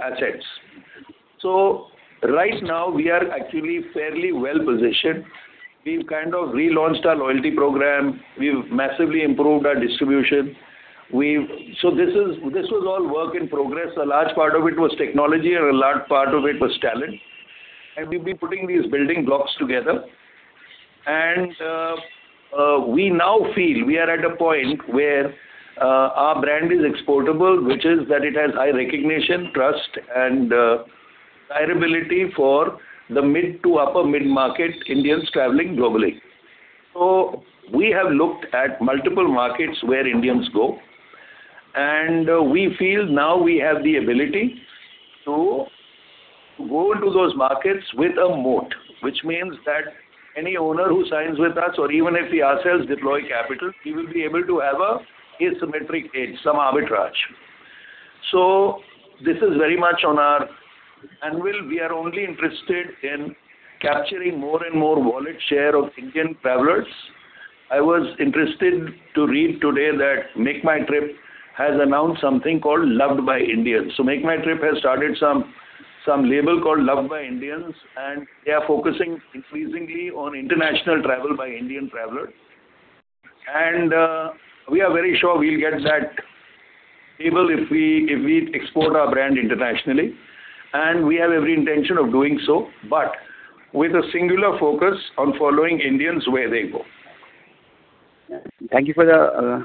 assets. So right now, we are actually fairly well positioned. We've kind of relaunched our loyalty program. We've massively improved our distribution. So this is, this was all work in progress. A large part of it was technology, and a large part of it was talent, and we've been putting these building blocks together. And we now feel we are at a point where our brand is exportable, which is that it has high recognition, trust, and desirability for the mid to upper mid-market Indians traveling globally. So we have looked at multiple markets where Indians go, and we feel now we have the ability to go into those markets with a moat, which means that any owner who signs with us, or even if we ourselves deploy capital, we will be able to have a asymmetric edge, some arbitrage. So this is very much on our. And we are only interested in capturing more and more wallet share of Indian travelers. I was interested to read today that MakeMyTrip has announced something called Loved by Indians. So MakeMyTrip has started some label called Loved by Indians, and they are focusing increasingly on international travel by Indian travelers. And we are very sure we'll get that even if we export our brand internationally, and we have every intention of doing so, but with a singular focus on following Indians where they go. Thank you for the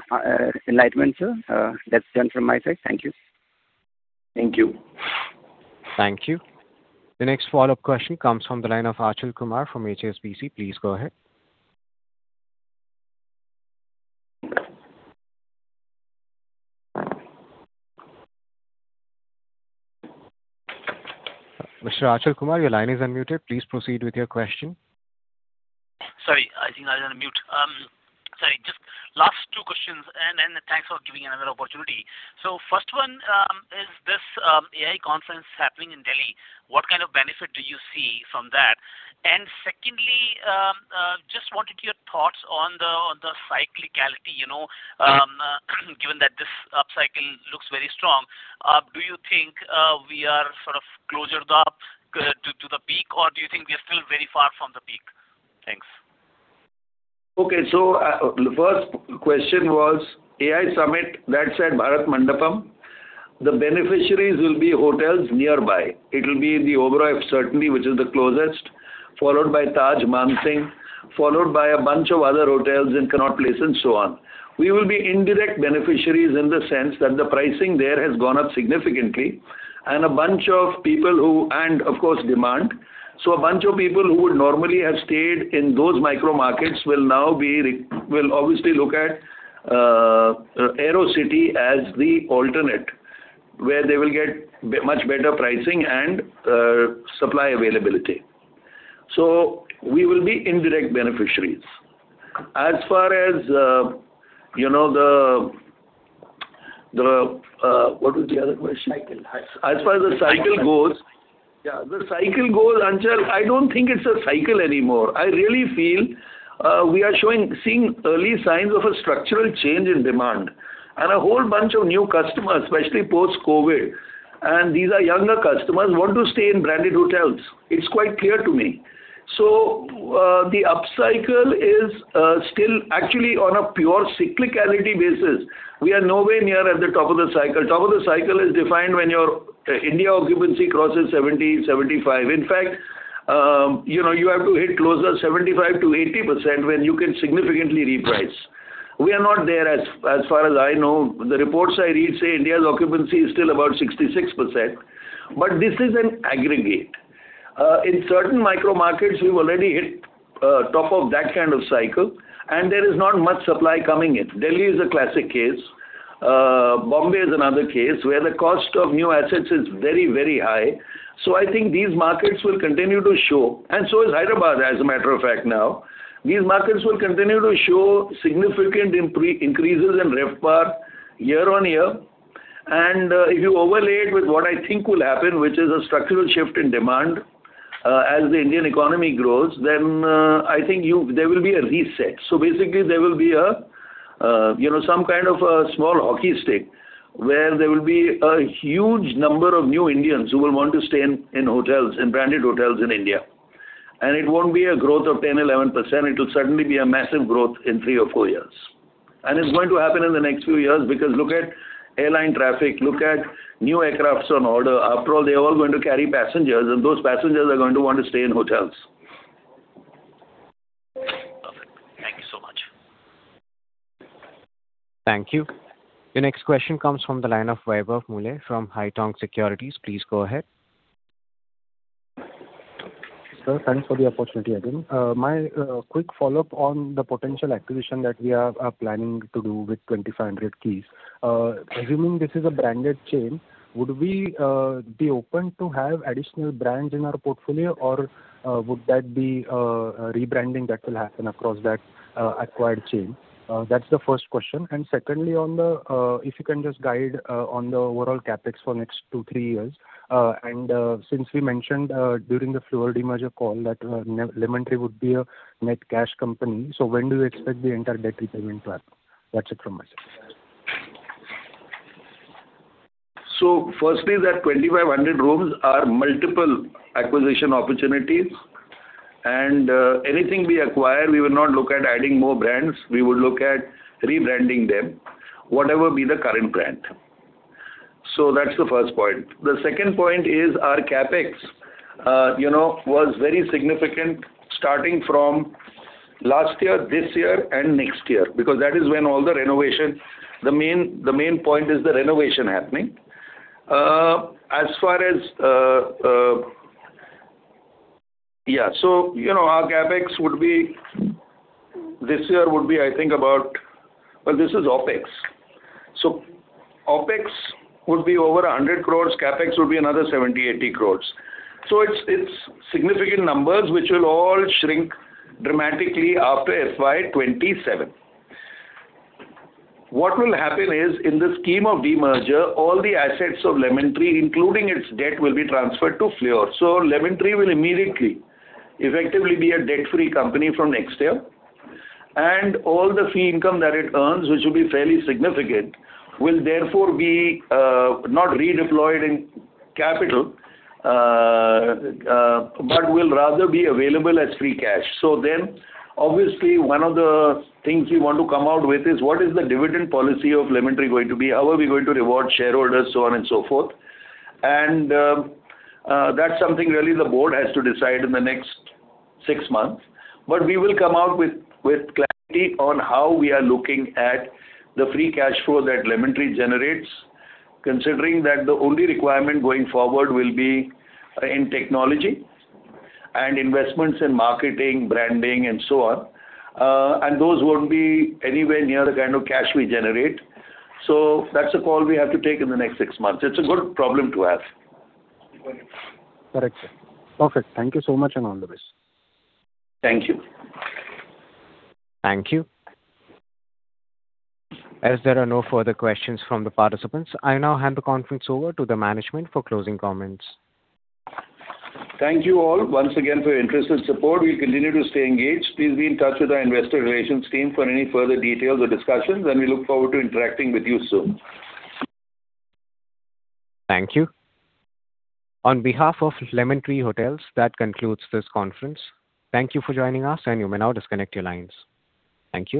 enlightenment, sir. That's done from my side. Thank you. Thank you. Thank you. The next follow-up question comes from the line of Achal Kumar from HSBC. Please go ahead. Mr. Achal Kumar, your line is unmuted. Please proceed with your question. Sorry, I think I was on mute. Sorry, just last two questions, and thanks for giving another opportunity. So first one, is this AI conference happening in Delhi, what kind of benefit do you see from that? And secondly, just wanted your thoughts on the cyclicality, you know, given that this upcycle looks very strong, do you think we are sort of closer to the peak, or do you think we are still very far from the peak? Thanks. Okay. So, the first question was AI Summit at Bharat Mandapam. The beneficiaries will be hotels nearby. It will be in the Oberoi, certainly, which is the closest, followed by Taj Mansingh, followed by a bunch of other hotels in Connaught Place and so on. We will be indirect beneficiaries in the sense that the pricing there has gone up significantly, and a bunch of people who—and of course, demand. So a bunch of people who would normally have stayed in those micro markets will now obviously look at Aerocity as the alternate, where they will get much better pricing and supply availability. So we will be indirect beneficiaries. As far as, you know, the. The, what was the other question? Cycle. As far as the cycle goes, yeah, the cycle goes, Achal, I don't think it's a cycle anymore. I really feel, we are showing, seeing early signs of a structural change in demand. And a whole bunch of new customers, especially post-COVID, and these are younger customers, want to stay in branded hotels. It's quite clear to me. So, the upcycle is still actually on a pure cyclicality basis. We are nowhere near at the top of the cycle. Top of the cycle is defined when your India occupancy crosses 70%, 75%. In fact, you know, you have to hit closer 75%-80% when you can significantly reprice. We are not there, as far as I know. The reports I read say India's occupancy is still about 66%, but this is an aggregate. In certain micro markets, we've already hit top of that kind of cycle, and there is not much supply coming in. Delhi is a classic case. Bombay is another case where the cost of new assets is very, very high. So I think these markets will continue to show, and so is Hyderabad, as a matter of fact now. These markets will continue to show significant increases in RevPAR year-on-year. And if you overlay it with what I think will happen, which is a structural shift in demand, as the Indian economy grows, then I think you-- there will be a reset. So basically, there will be a, you know, some kind of a small hockey stick, where there will be a huge number of new Indians who will want to stay in hotels, in branded hotels in India. It won't be a growth of 10%-11%, it will certainly be a massive growth in 3 or 4 years. It's going to happen in the next few years, because look at airline traffic, look at new aircrafts on order. After all, they're all going to carry passengers, and those passengers are going to want to stay in hotels. Perfect. Thank you so much. Thank you. The next question comes from the line of Vaibhav Mohile from Haitong Securities. Please go ahead. Sir, thanks for the opportunity again. My quick follow-up on the potential acquisition that we are planning to do with 2,500 keys. Assuming this is a branded chain, would we be open to have additional brands in our portfolio, or would that be a rebranding that will happen across that acquired chain? That's the first question. And secondly, if you can just guide on the overall CapEx for next two, three years. And since we mentioned during the Fleur demerger call that Lemon Tree would be a net cash company, so when do you expect the entire debt repayment to happen? That's it from us. Firstly, that 2,500 rooms are multiple acquisition opportunities. Anything we acquire, we will not look at adding more brands, we will look at rebranding them, whatever be the current brand. So that's the first point. The second point is our CapEx, you know, was very significant starting from last year, this year and next year, because that is when all the renovation... The main point is the renovation happening. As far as, yeah, so, you know, our CapEx would be, this year would be, I think, about-- Well, this is OpEx. So OpEx would be over 100 crore, CapEx would be another 70 crore-80 crore. So it's significant numbers, which will all shrink dramatically after FY 2027. What will happen is, in the scheme of demerger, all the assets of Lemon Tree, including its debt, will be transferred to Fleur. So Lemon Tree will immediately effectively be a debt-free company from next year. And all the fee income that it earns, which will be fairly significant, will therefore be not redeployed in capital, but will rather be available as free cash. So then, obviously, one of the things we want to come out with is what is the dividend policy of Lemon Tree going to be? How are we going to reward shareholders, so on and so forth. And that's something really the board has to decide in the next six months. But we will come out with clarity on how we are looking at the free cash flow that Lemon Tree generates, considering that the only requirement going forward will be in technology and investments in marketing, branding, and so on. And those won't be anywhere near the kind of cash we generate. So that's a call we have to take in the next six months. It's a good problem to have. Correct, sir. Perfect. Thank you so much, and all the best. Thank you. Thank you. As there are no further questions from the participants, I now hand the conference over to the management for closing comments. Thank you all once again for your interest and support. We continue to stay engaged. Please be in touch with our investor relations team for any further details or discussions, and we look forward to interacting with you soon. Thank you. On behalf of Lemon Tree Hotels, that concludes this conference. Thank you for joining us, and you may now disconnect your lines. Thank you.